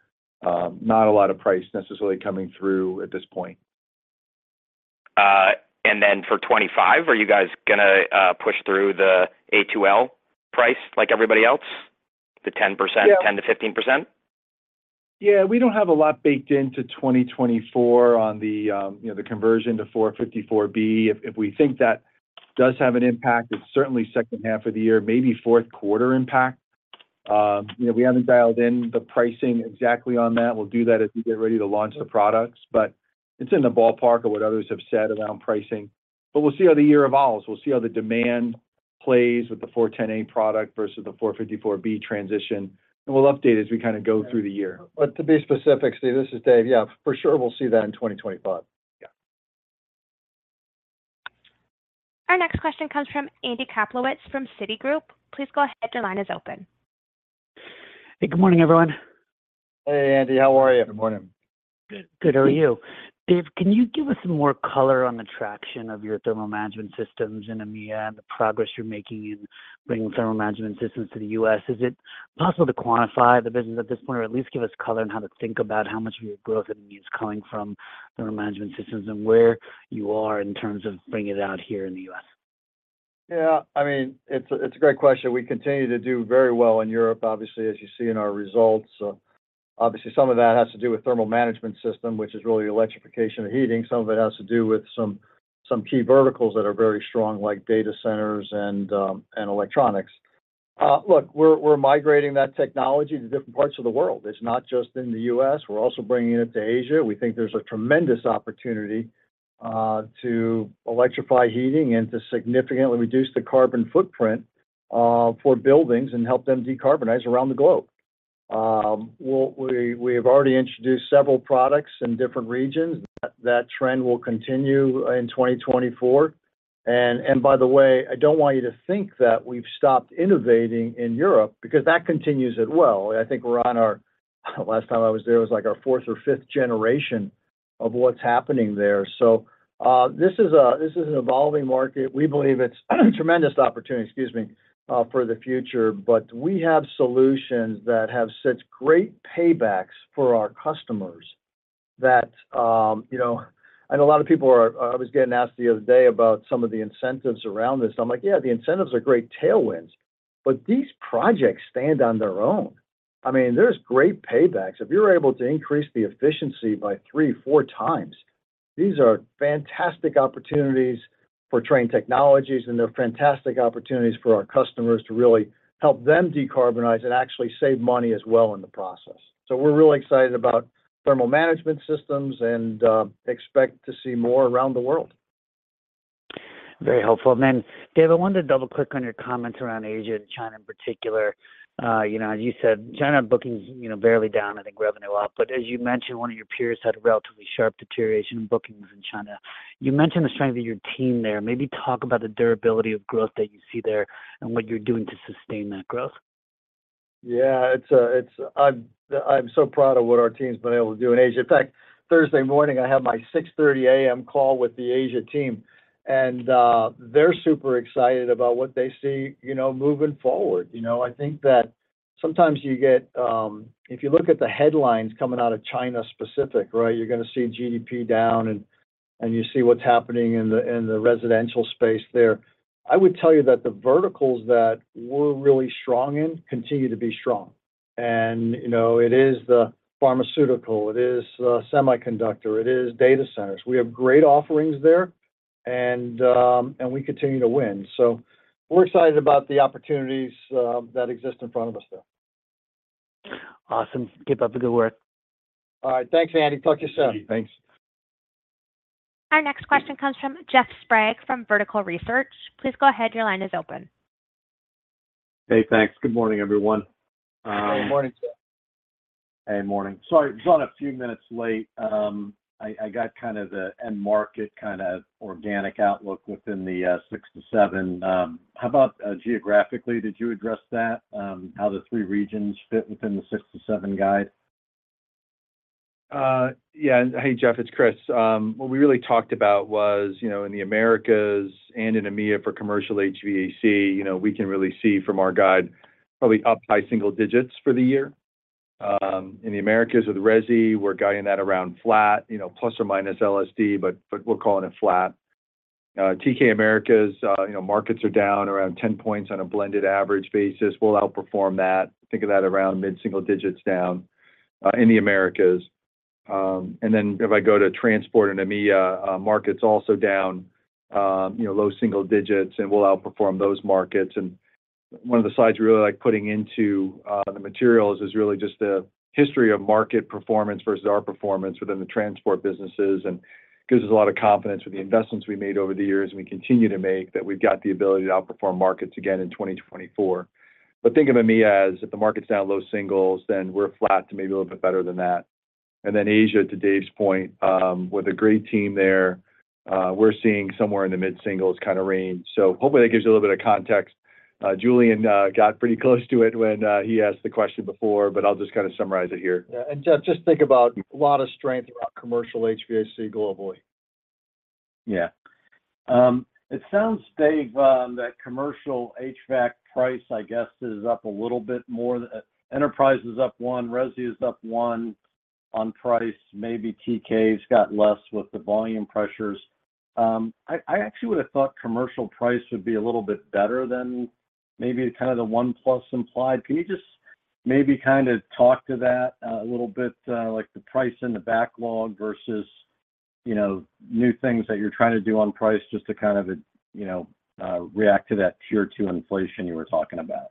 D: not a lot of price necessarily coming through at this point.
J: And then for 2025, are you guys gonna push through the A2L price like everybody else, the 10%-
D: Yeah.
J: 10%-15%?
D: Yeah, we don't have a lot baked into 2024 on the, you know, the conversion to 454B. If we think that does have an impact, it's certainly second half of the year, maybe fourth quarter impact. You know, we haven't dialed in the pricing exactly on that. We'll do that as we get ready to launch the products, but it's in the ballpark of what others have said around pricing. But we'll see how the year evolves. We'll see how the demand plays with the 410A product versus the 454B transition, and we'll update as we kind of go through the year.
C: To be specific, Steve, this is Dave. Yeah, for sure, we'll see that in 2025.
D: Yeah.
A: Our next question comes from Andy Kaplowitz, from Citigroup. Please go ahead. Your line is open.
I: Hey, good morning, everyone.
D: Hey, Andy. How are you?
C: Good morning.
I: Good. How are you? Dave, can you give us some more color on the traction of your Thermal Management Systems in EMEA and the progress you're making in bringing Thermal Management Systems to the U.S.? Is it possible to quantify the business at this point, or at least give us color on how to think about how much of your growth in EMEA is coming from Thermal Management Systems and where you are in terms of bringing it out here in the U.S.?
C: Yeah, I mean, it's a great question. We continue to do very well in Europe, obviously, as you see in our results. Obviously, some of that has to do with thermal management system, which is really electrification of heating. Some of it has to do with some key verticals that are very strong, like data centers and electronics. Look, we're migrating that technology to different parts of the world. It's not just in the U.S. We're also bringing it to Asia. We think there's a tremendous opportunity to electrify heating and to significantly reduce the carbon footprint- for buildings and help them decarbonize around the globe. Well, we have already introduced several products in different regions. That trend will continue in 2024. And by the way, I don't want you to think that we've stopped innovating in Europe, because that continues as well. I think we're on our, last time I was there, it was like our fourth or fifth generation of what's happening there. So, this is an evolving market. We believe it's a tremendous opportunity, excuse me, for the future. But we have solutions that have such great paybacks for our customers that, you know- and a lot of people are... I was getting asked the other day about some of the incentives around this. I'm like, "Yeah, the incentives are great tailwinds," but these projects stand on their own. I mean, there's great paybacks. If you're able to increase the efficiency by 3-4 times, these are fantastic opportunities for Trane Technologies, and they're fantastic opportunities for our customers to really help them decarbonize and actually save money as well in the process. So we're really excited about thermal management systems and expect to see more around the world.
I: Very helpful. And then, Dave, I wanted to double-click on your comments around Asia and China in particular. You know, as you said, China bookings, you know, barely down, I think revenue up. But as you mentioned, one of your peers had a relatively sharp deterioration in bookings in China. You mentioned the strength of your team there. Maybe talk about the durability of growth that you see there and what you're doing to sustain that growth.
C: Yeah, it's. I'm so proud of what our team's been able to do in Asia. In fact, Thursday morning, I have my 6:30 A.M. call with the Asia team, and they're super excited about what they see, you know, moving forward. You know, I think that sometimes you get... If you look at the headlines coming out of China specific, right? You're going to see GDP down, and you see what's happening in the residential space there. I would tell you that the verticals that we're really strong in continue to be strong. And, you know, it is the pharmaceutical, it is the semiconductor, it is data centers. We have great offerings there, and we continue to win. So we're excited about the opportunities that exist in front of us there.
I: Awesome. Keep up the good work.
C: All right. Thanks, Andy. Talk to you soon.
I: Thanks.
A: Our next question comes from Jeff Sprague, from Vertical Research. Please go ahead. Your line is open.
K: Hey, thanks. Good morning, everyone.
C: Good morning, Jeff.
K: Hey, morning. Sorry, I was on a few minutes late. I got kind of the end market, kind of organic outlook within the 6-7. How about geographically, did you address that? How the three regions fit within the 6-7 guide?
D: Yeah. Hey, Jeff, it's Chris. What we really talked about was, you know, in the Americas and in EMEA for commercial HVAC, you know, we can really see from our guide, probably up high single digits for the year. In the Americas with resi, we're guiding that around flat, you know, plus or minus LSD, but, but we're calling it flat. TK Americas, you know, markets are down around 10 points on a blended average basis. We'll outperform that. Think of that around mid-single digits down, in the Americas. And then if I go to transport in EMEA, markets also down, you know, low single digits, and we'll outperform those markets. And one of the slides we really like putting into, the materials is really just the history of market performance versus our performance within the transport businesses. And gives us a lot of confidence with the investments we made over the years, and we continue to make, that we've got the ability to outperform markets again in 2024. But think of EMEA as if the market's down low singles, then we're flat to maybe a little bit better than that. And then Asia, to Dave's point, with a great team there, we're seeing somewhere in the mid-singles kind of range. So hopefully, that gives you a little bit of context. Julian, got pretty close to it when, he asked the question before, but I'll just kind of summarize it here.
C: Yeah. And, Jeff, just think about a lot of strength around commercial HVAC globally.
K: Yeah. It sounds, Dave, that commercial HVAC price, I guess, is up a little bit more. Enterprise is up 1, resi is up 1 on price. Maybe TK's got less with the volume pressures. I actually would have thought commercial price would be a little bit better than maybe kind of the 1 plus implied. Can you just maybe kind of talk to that, a little bit, like the price in the backlog versus, you know, new things that you're trying to do on price just to kind of, you know, react to that Tier Two inflation you were talking about?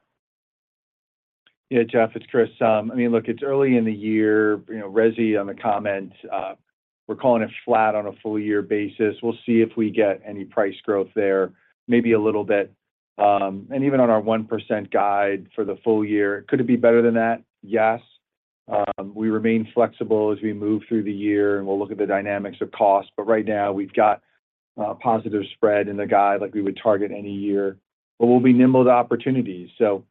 D: Yeah, Jeff, it's Chris. I mean, look, it's early in the year. You know, resi, on the comment, we're calling it flat on a full year basis. We'll see if we get any price growth there, maybe a little bit. And even on our 1% guide for the full year, could it be better than that? Yes. We remain flexible as we move through the year, and we'll look at the dynamics of cost. But right now, we've got a positive spread in the guide like we would target any year, but we'll be nimble to opportunities. So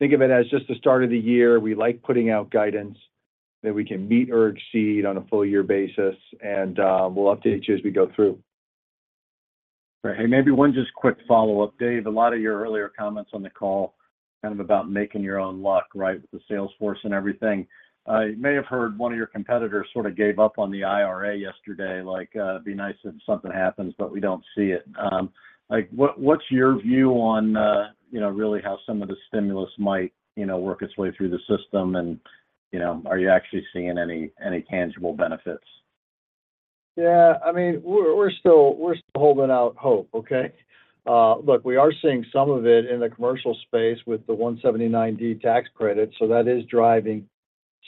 D: think of it as just the start of the year. We like putting out guidance that we can meet or exceed on a full year basis, and we'll update you as we go through.
K: Right. Hey, maybe one just quick follow-up, Dave. A lot of your earlier comments on the call, kind of about making your own luck, right, with the sales force and everything. I may have heard one of your competitors sort of gave up on the IRA yesterday. Like, it'd be nice if something happens, but we don't see it. Like, what's your view on, you know, really how some of the stimulus might, you know, work its way through the system? And, you know, are you actually seeing any tangible benefits?
C: Yeah, I mean, we're still holding out hope, okay? Look, we are seeing some of it in the commercial space with the 179D tax credit, so that is driving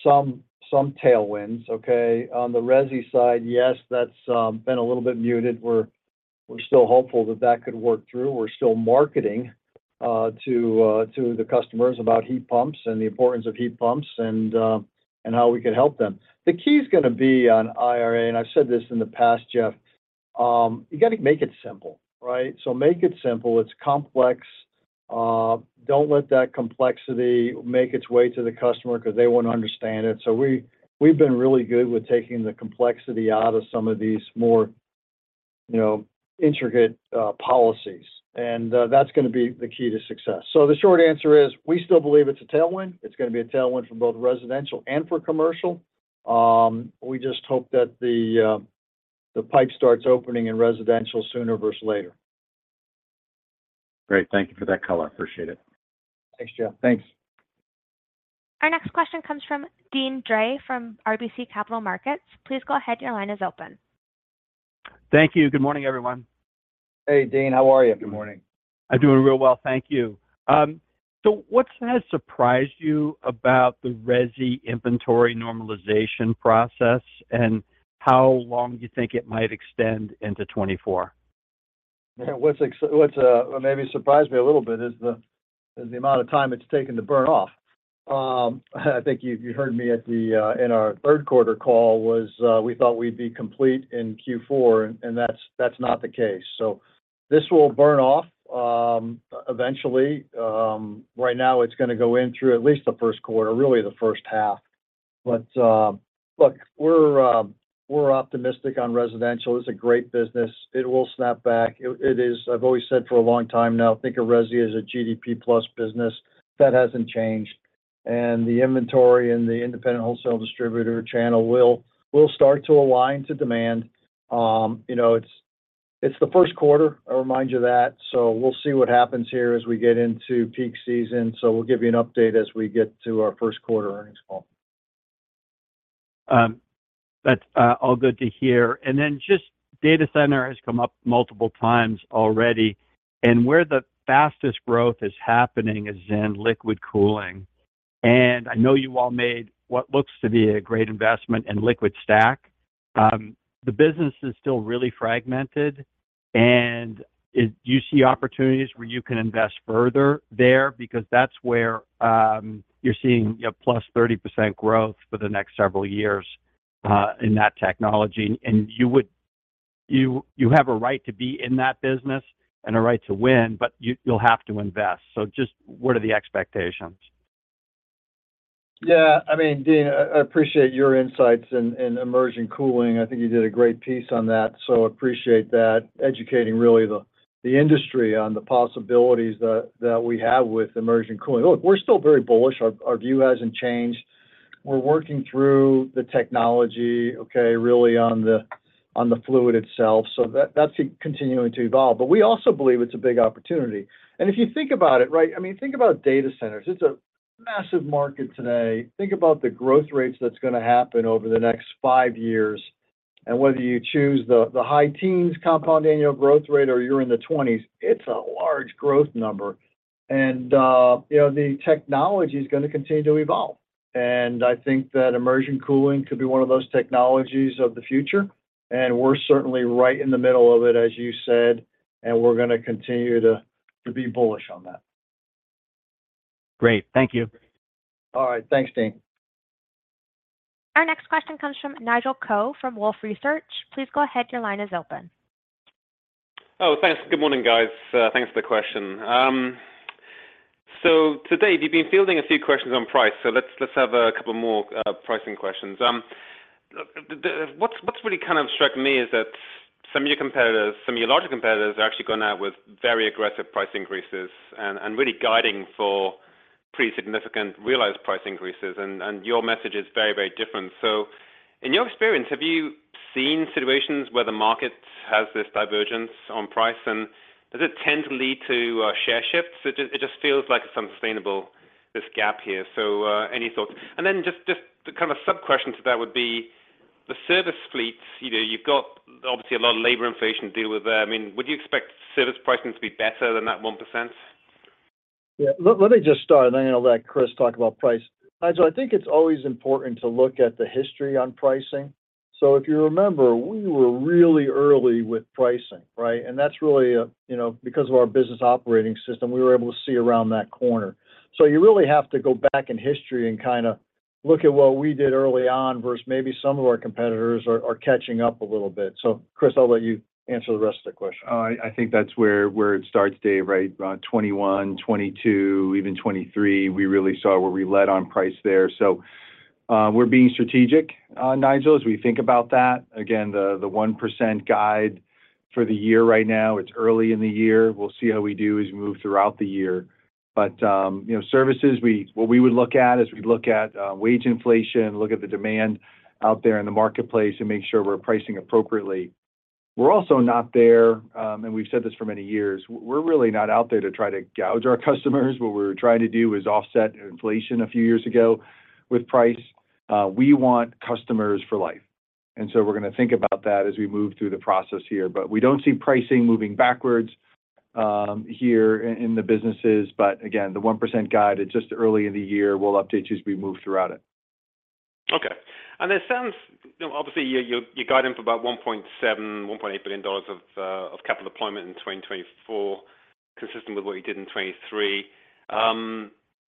C: some tailwinds, okay? On the resi side, yes, that's been a little bit muted. We're still hopeful that that could work through. We're still marketing to the customers about heat pumps and the importance of heat pumps, and how we can help them. The key is gonna be on IRA, and I've said this in the past, Jeff, you got to make it simple, right? So make it simple. It's complex. Don't let that complexity make its way to the customer 'cause they won't understand it. So we've been really good with taking the complexity out of some of these more, you know, intricate policies, and that's gonna be the key to success. So the short answer is, we still believe it's a tailwind. It's gonna be a tailwind for both residential and for commercial. We just hope that the pipe starts opening in residential sooner versus later.
L: Great. Thank you for that color. I appreciate it.
C: Thanks, Jeff.
D: Thanks.
A: Our next question comes from Dean Dray from RBC Capital Markets. Please go ahead, your line is open.
M: Thank you. Good morning, everyone.
C: Hey, Dean, how are you? Good morning.
M: I'm doing real well. Thank you. So what has surprised you about the resi inventory normalization process, and how long do you think it might extend into 2024?
C: Yeah, what's maybe surprised me a little bit is the amount of time it's taken to burn off. I think you heard me in our third quarter call. We thought we'd be complete in Q4, and that's not the case. So this will burn off eventually. Right now, it's gonna go in through at least the first quarter, really the first half. But look, we're optimistic on residential. It's a great business. It will snap back. It is. I've always said for a long time now, think of resi as a GDP-plus business. That hasn't changed, and the inventory and the independent wholesale distributor channel will start to align to demand. You know, it's the first quarter, I'll remind you of that, so we'll see what happens here as we get into peak season. So we'll give you an update as we get to our first quarter earnings call.
M: That's all good to hear. Then just data center has come up multiple times already, and where the fastest growth is happening is in liquid cooling. I know you all made what looks to be a great investment in LiquidStack. The business is still really fragmented, and do you see opportunities where you can invest further there? Because that's where you're seeing +30% growth for the next several years in that technology. You have a right to be in that business and a right to win, but you'll have to invest. So just what are the expectations?
C: Yeah, I mean, Dean, I appreciate your insights in immersion cooling. I think you did a great piece on that, so appreciate that. Educating really the industry on the possibilities that we have with immersion cooling. Look, we're still very bullish. Our view hasn't changed. We're working through the technology, okay, really on the fluid itself, so that's continuing to evolve. But we also believe it's a big opportunity. And if you think about it, right, I mean, think about data centers. It's a massive market today. Think about the growth rates that's gonna happen over the next five years, and whether you choose the high teens compound annual growth rate or you're in the twenties, it's a large growth number. You know, the technology is gonna continue to evolve, and I think that immersion cooling could be one of those technologies of the future, and we're certainly right in the middle of it, as you said, and we're gonna continue to be bullish on that.
M: Great. Thank you.
C: All right. Thanks, Dean.
A: Our next question comes from Nigel Coe from Wolfe Research. Please go ahead. Your line is open.
N: Oh, thanks. Good morning, guys. Thanks for the question. So today, you've been fielding a few questions on price, so let's have a couple more pricing questions. What's really kind of struck me is that some of your competitors, some of your larger competitors, are actually going out with very aggressive price increases and really guiding for pretty significant realized price increases, and your message is very, very different. So in your experience, have you seen situations where the market has this divergence on price, and does it tend to lead to share shifts? It just feels like it's unsustainable, this gap here. So, any thoughts? And then just the kind of subquestion to that would be the service fleets, you know, you've got obviously a lot of labor inflation to deal with there. I mean, would you expect service pricing to be better than that 1%?
C: Yeah, let me just start, and then I'll let Chris talk about price. Nigel, I think it's always important to look at the history on pricing. So if you remember, we were really early with pricing, right? And that's really, you know, because of our business operating system, we were able to see around that corner. So you really have to go back in history and kind of look at what we did early on, versus maybe some of our competitors are catching up a little bit. So Chris, I'll let you answer the rest of the question.
D: I think that's where it starts, Dave, right? 2021, 2022, even 2023, we really saw where we led on price there. So, we're being strategic, Nigel, as we think about that. Again, the 1% guide for the year right now, it's early in the year. We'll see how we do as we move throughout the year. But, you know, services, what we would look at is we'd look at wage inflation, look at the demand out there in the marketplace, and make sure we're pricing appropriately. We're also not there... and we've said this for many years, we're really not out there to try to gouge our customers. What we were trying to do is offset inflation a few years ago with price. We want customers for life, and so we're gonna think about that as we move through the process here. But we don't see pricing moving backwards... here in, in the businesses, but again, the 1% guide, it's just early in the year. We'll update you as we move throughout it.
N: Okay. It sounds, you know, obviously, you're guiding for about $1.7-$1.8 billion of capital deployment in 2024, consistent with what you did in 2023.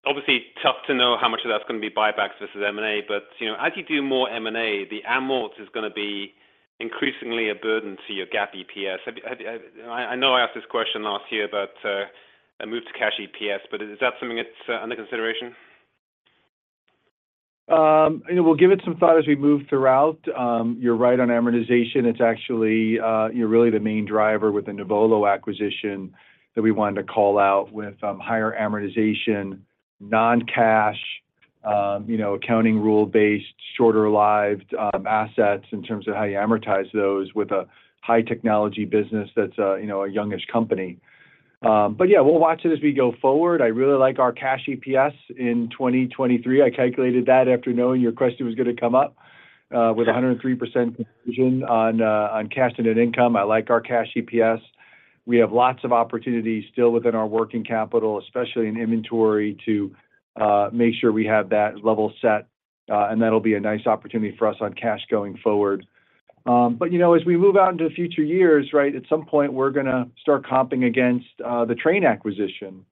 N: Obviously, tough to know how much of that's going to be buybacks versus M&A, but, you know, as you do more M&A, the amort is going to be increasingly a burden to your GAAP EPS. Have you—I know I asked this question last year about a move to cash EPS, but is that something that's under consideration?
D: You know, we'll give it some thought as we move throughout. You're right on amortization. It's actually, you know, really the main driver with the Nuvolo acquisition that we wanted to call out with, higher amortization, non-cash, you know, accounting rule-based, shorter-lived, assets in terms of how you amortize those with a high technology business that's, you know, a youngish company. But yeah, we'll watch it as we go forward. I really like our cash EPS in 2023. I calculated that after knowing your question was going to come up,
N: Sure...
D: with 103% conversion on cash and net income. I like our cash EPS. We have lots of opportunities still within our working capital, especially in inventory, to make sure we have that level set, and that'll be a nice opportunity for us on cash going forward. But, you know, as we move out into future years, right, at some point, we're going to start comping against the Trane acquisition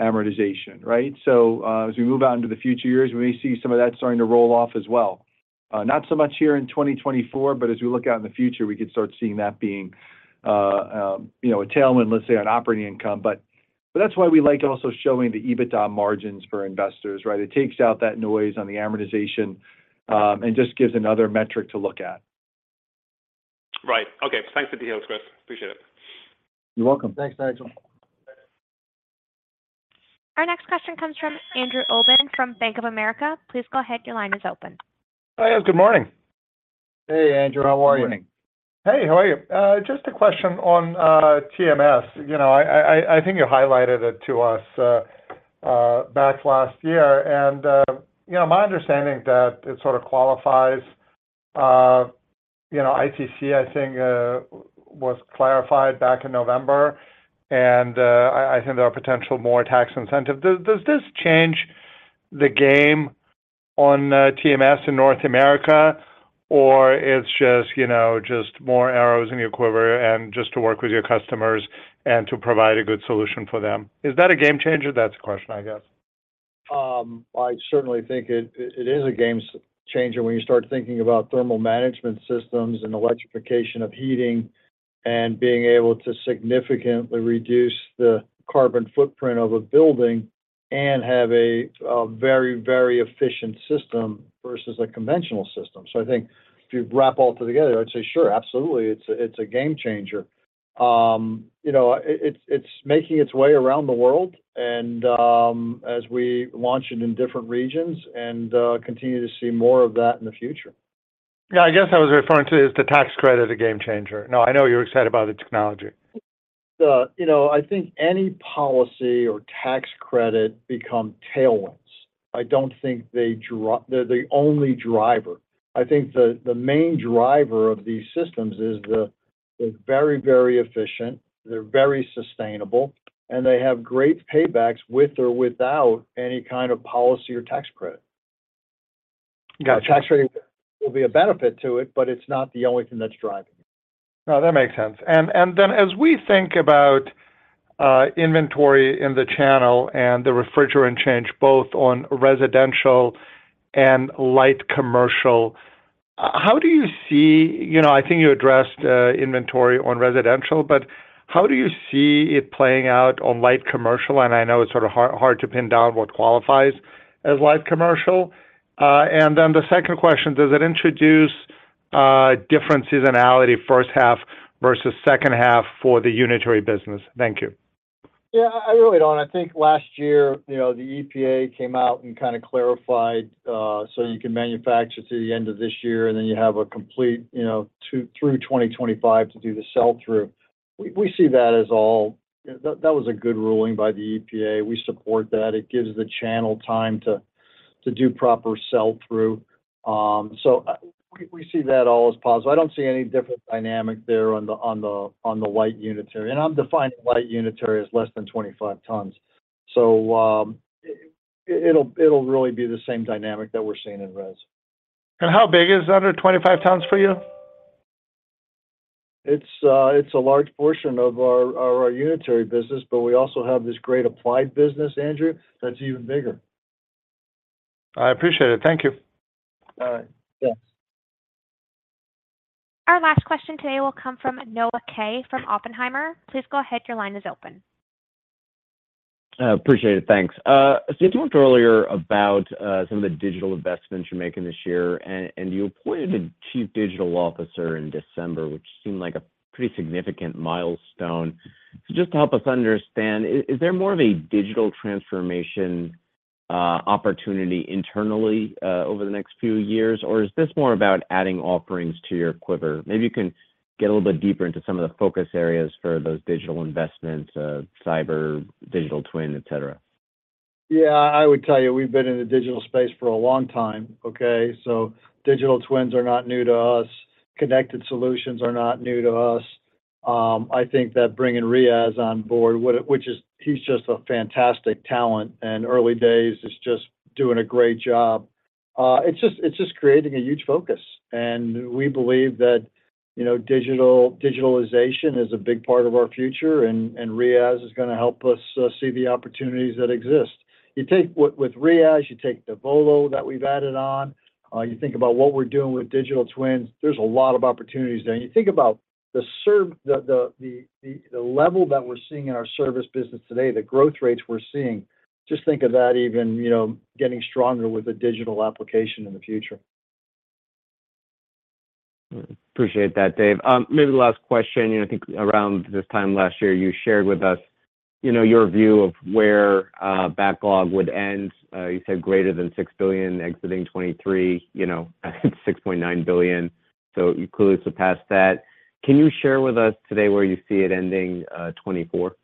D: amortization, right? So, as we move out into the future years, we may see some of that starting to roll off as well. Not so much here in 2024, but as we look out in the future, we could start seeing that being, you know, a tailwind, let's say, on operating income. But that's why we like also showing the EBITDA margins for investors, right? It takes out that noise on the amortization, and just gives another metric to look at.
N: Right. Okay, thanks for the details, Chris. Appreciate it.
D: You're welcome.
C: Thanks, Nigel.
A: Our next question comes from Andrew Obin from Bank of America. Please go ahead. Your line is open.
O: Hi, guys. Good morning.
C: Hey, Andrew. How are you?
O: Good morning. Hey, how are you? Just a question on TMS. You know, I think you highlighted it to us back last year, and you know, my understanding that it sort of qualifies, you know, ITC, I think, was clarified back in November, and I think there are potential more tax incentive. Does this change the game on TMS in North America, or it's just, you know, just more arrows in your quiver and just to work with your customers and to provide a good solution for them? Is that a game changer? That's the question, I guess.
C: I certainly think it is a game-changer when you start thinking about thermal management systems and electrification of heating and being able to significantly reduce the carbon footprint of a building and have a very, very efficient system versus a conventional system. So I think if you wrap all together, I'd say, sure, absolutely, it's a game changer. You know, it's making its way around the world, and as we launch it in different regions and continue to see more of that in the future.
O: Yeah, I guess I was referring to, is the tax credit a game changer? No, I know you're excited about the technology.
C: You know, I think any policy or tax credit become tailwinds. I don't think they're the only driver. I think the main driver of these systems is the very, very efficient, they're very sustainable, and they have great paybacks with or without any kind of policy or tax credit.
O: Got you.
C: Tax credit will be a benefit to it, but it's not the only thing that's driving it.
O: No, that makes sense. And then as we think about inventory in the channel and the refrigerant change, both on residential and light commercial, how do you see... You know, I think you addressed inventory on residential, but how do you see it playing out on light commercial? And I know it's sort of hard to pin down what qualifies as light commercial. And then the second question, does it introduce different seasonality first half versus second half for the unitary business? Thank you.
C: Yeah, I really don't. I think last year, you know, the EPA came out and kind of clarified, so you can manufacture to the end of this year, and then you have a complete, you know, 2024 through 2025 to do the sell-through. We see that as all... That was a good ruling by the EPA. We support that. It gives the channel time to do proper sell-through. So, we see that all as positive. I don't see any different dynamic there on the light unitary, and I'm defining light unitary as less than 25 tons. So, it'll really be the same dynamic that we're seeing in res.
O: How big is under 25 tons for you?
C: It's a large portion of our unitary business, but we also have this great Applied business, Andrew, that's even bigger.
O: I appreciate it. Thank you.
C: All right. Yeah.
A: Our last question today will come from Noah Kaye, from Oppenheimer. Please go ahead. Your line is open.
P: Appreciate it. Thanks. So you talked earlier about some of the digital investments you're making this year, and you appointed a chief digital officer in December, which seemed like a pretty significant milestone. So just to help us understand, is there more of a digital transformation opportunity internally over the next few years, or is this more about adding offerings to your quiver? Maybe you can get a little bit deeper into some of the focus areas for those digital investments, cyber, digital twin, et cetera....
C: Yeah, I would tell you, we've been in the digital space for a long time, okay? So digital twins are not new to us. Connected solutions are not new to us. I think that bringing Riaz on board, which is, he's just a fantastic talent, and early days, he's just doing a great job. It's just creating a huge focus, and we believe that, you know, digitalization is a big part of our future, and Riaz is going to help us see the opportunities that exist. You take with, with Riaz, you take Nuvolo that we've added on, you think about what we're doing with digital twins, there's a lot of opportunities there. You think about the level that we're seeing in our service business today, the growth rates we're seeing, just think of that even, you know, getting stronger with a digital application in the future.
P: Appreciate that, Dave. Maybe the last question. You know, I think around this time last year, you shared with us, you know, your view of where backlog would end. You said greater than $6 billion, exiting 2023, you know, $6.9 billion, so you clearly surpassed that. Can you share with us today where you see it ending, 2024?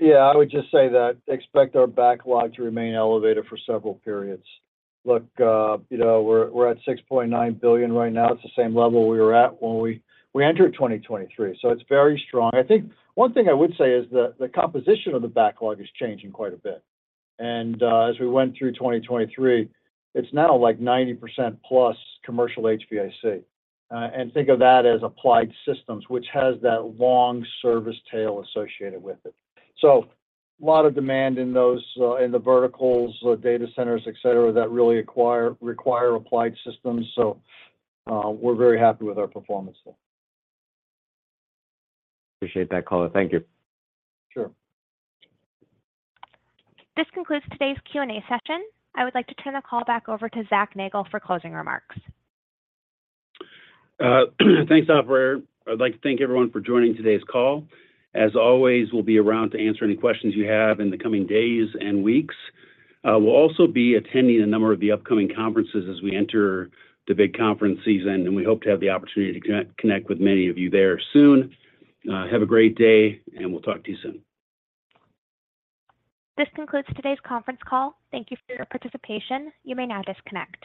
C: Yeah, I would just say that expect our backlog to remain elevated for several periods. Look, you know, we're at $6.9 billion right now. It's the same level we were at when we entered 2023, so it's very strong. I think one thing I would say is the composition of the backlog is changing quite a bit. As we went through 2023, it's now, like, 90%+ commercial HVAC. And think of that as Applied Systems, which has that long service tail associated with it. So a lot of demand in those in the verticals, the data centers, etc., that really require Applied Systems. So, we're very happy with our performance there.
P: Appreciate that call. Thank you.
C: Sure.
A: This concludes today's Q&A session. I would like to turn the call back over to Zac Nagle for closing remarks.
B: Thanks, operator. I'd like to thank everyone for joining today's call. As always, we'll be around to answer any questions you have in the coming days and weeks. We'll also be attending a number of the upcoming conferences as we enter the big conference season, and we hope to have the opportunity to connect with many of you there soon. Have a great day, and we'll talk to you soon.
A: This concludes today's conference call. Thank you for your participation. You may now disconnect.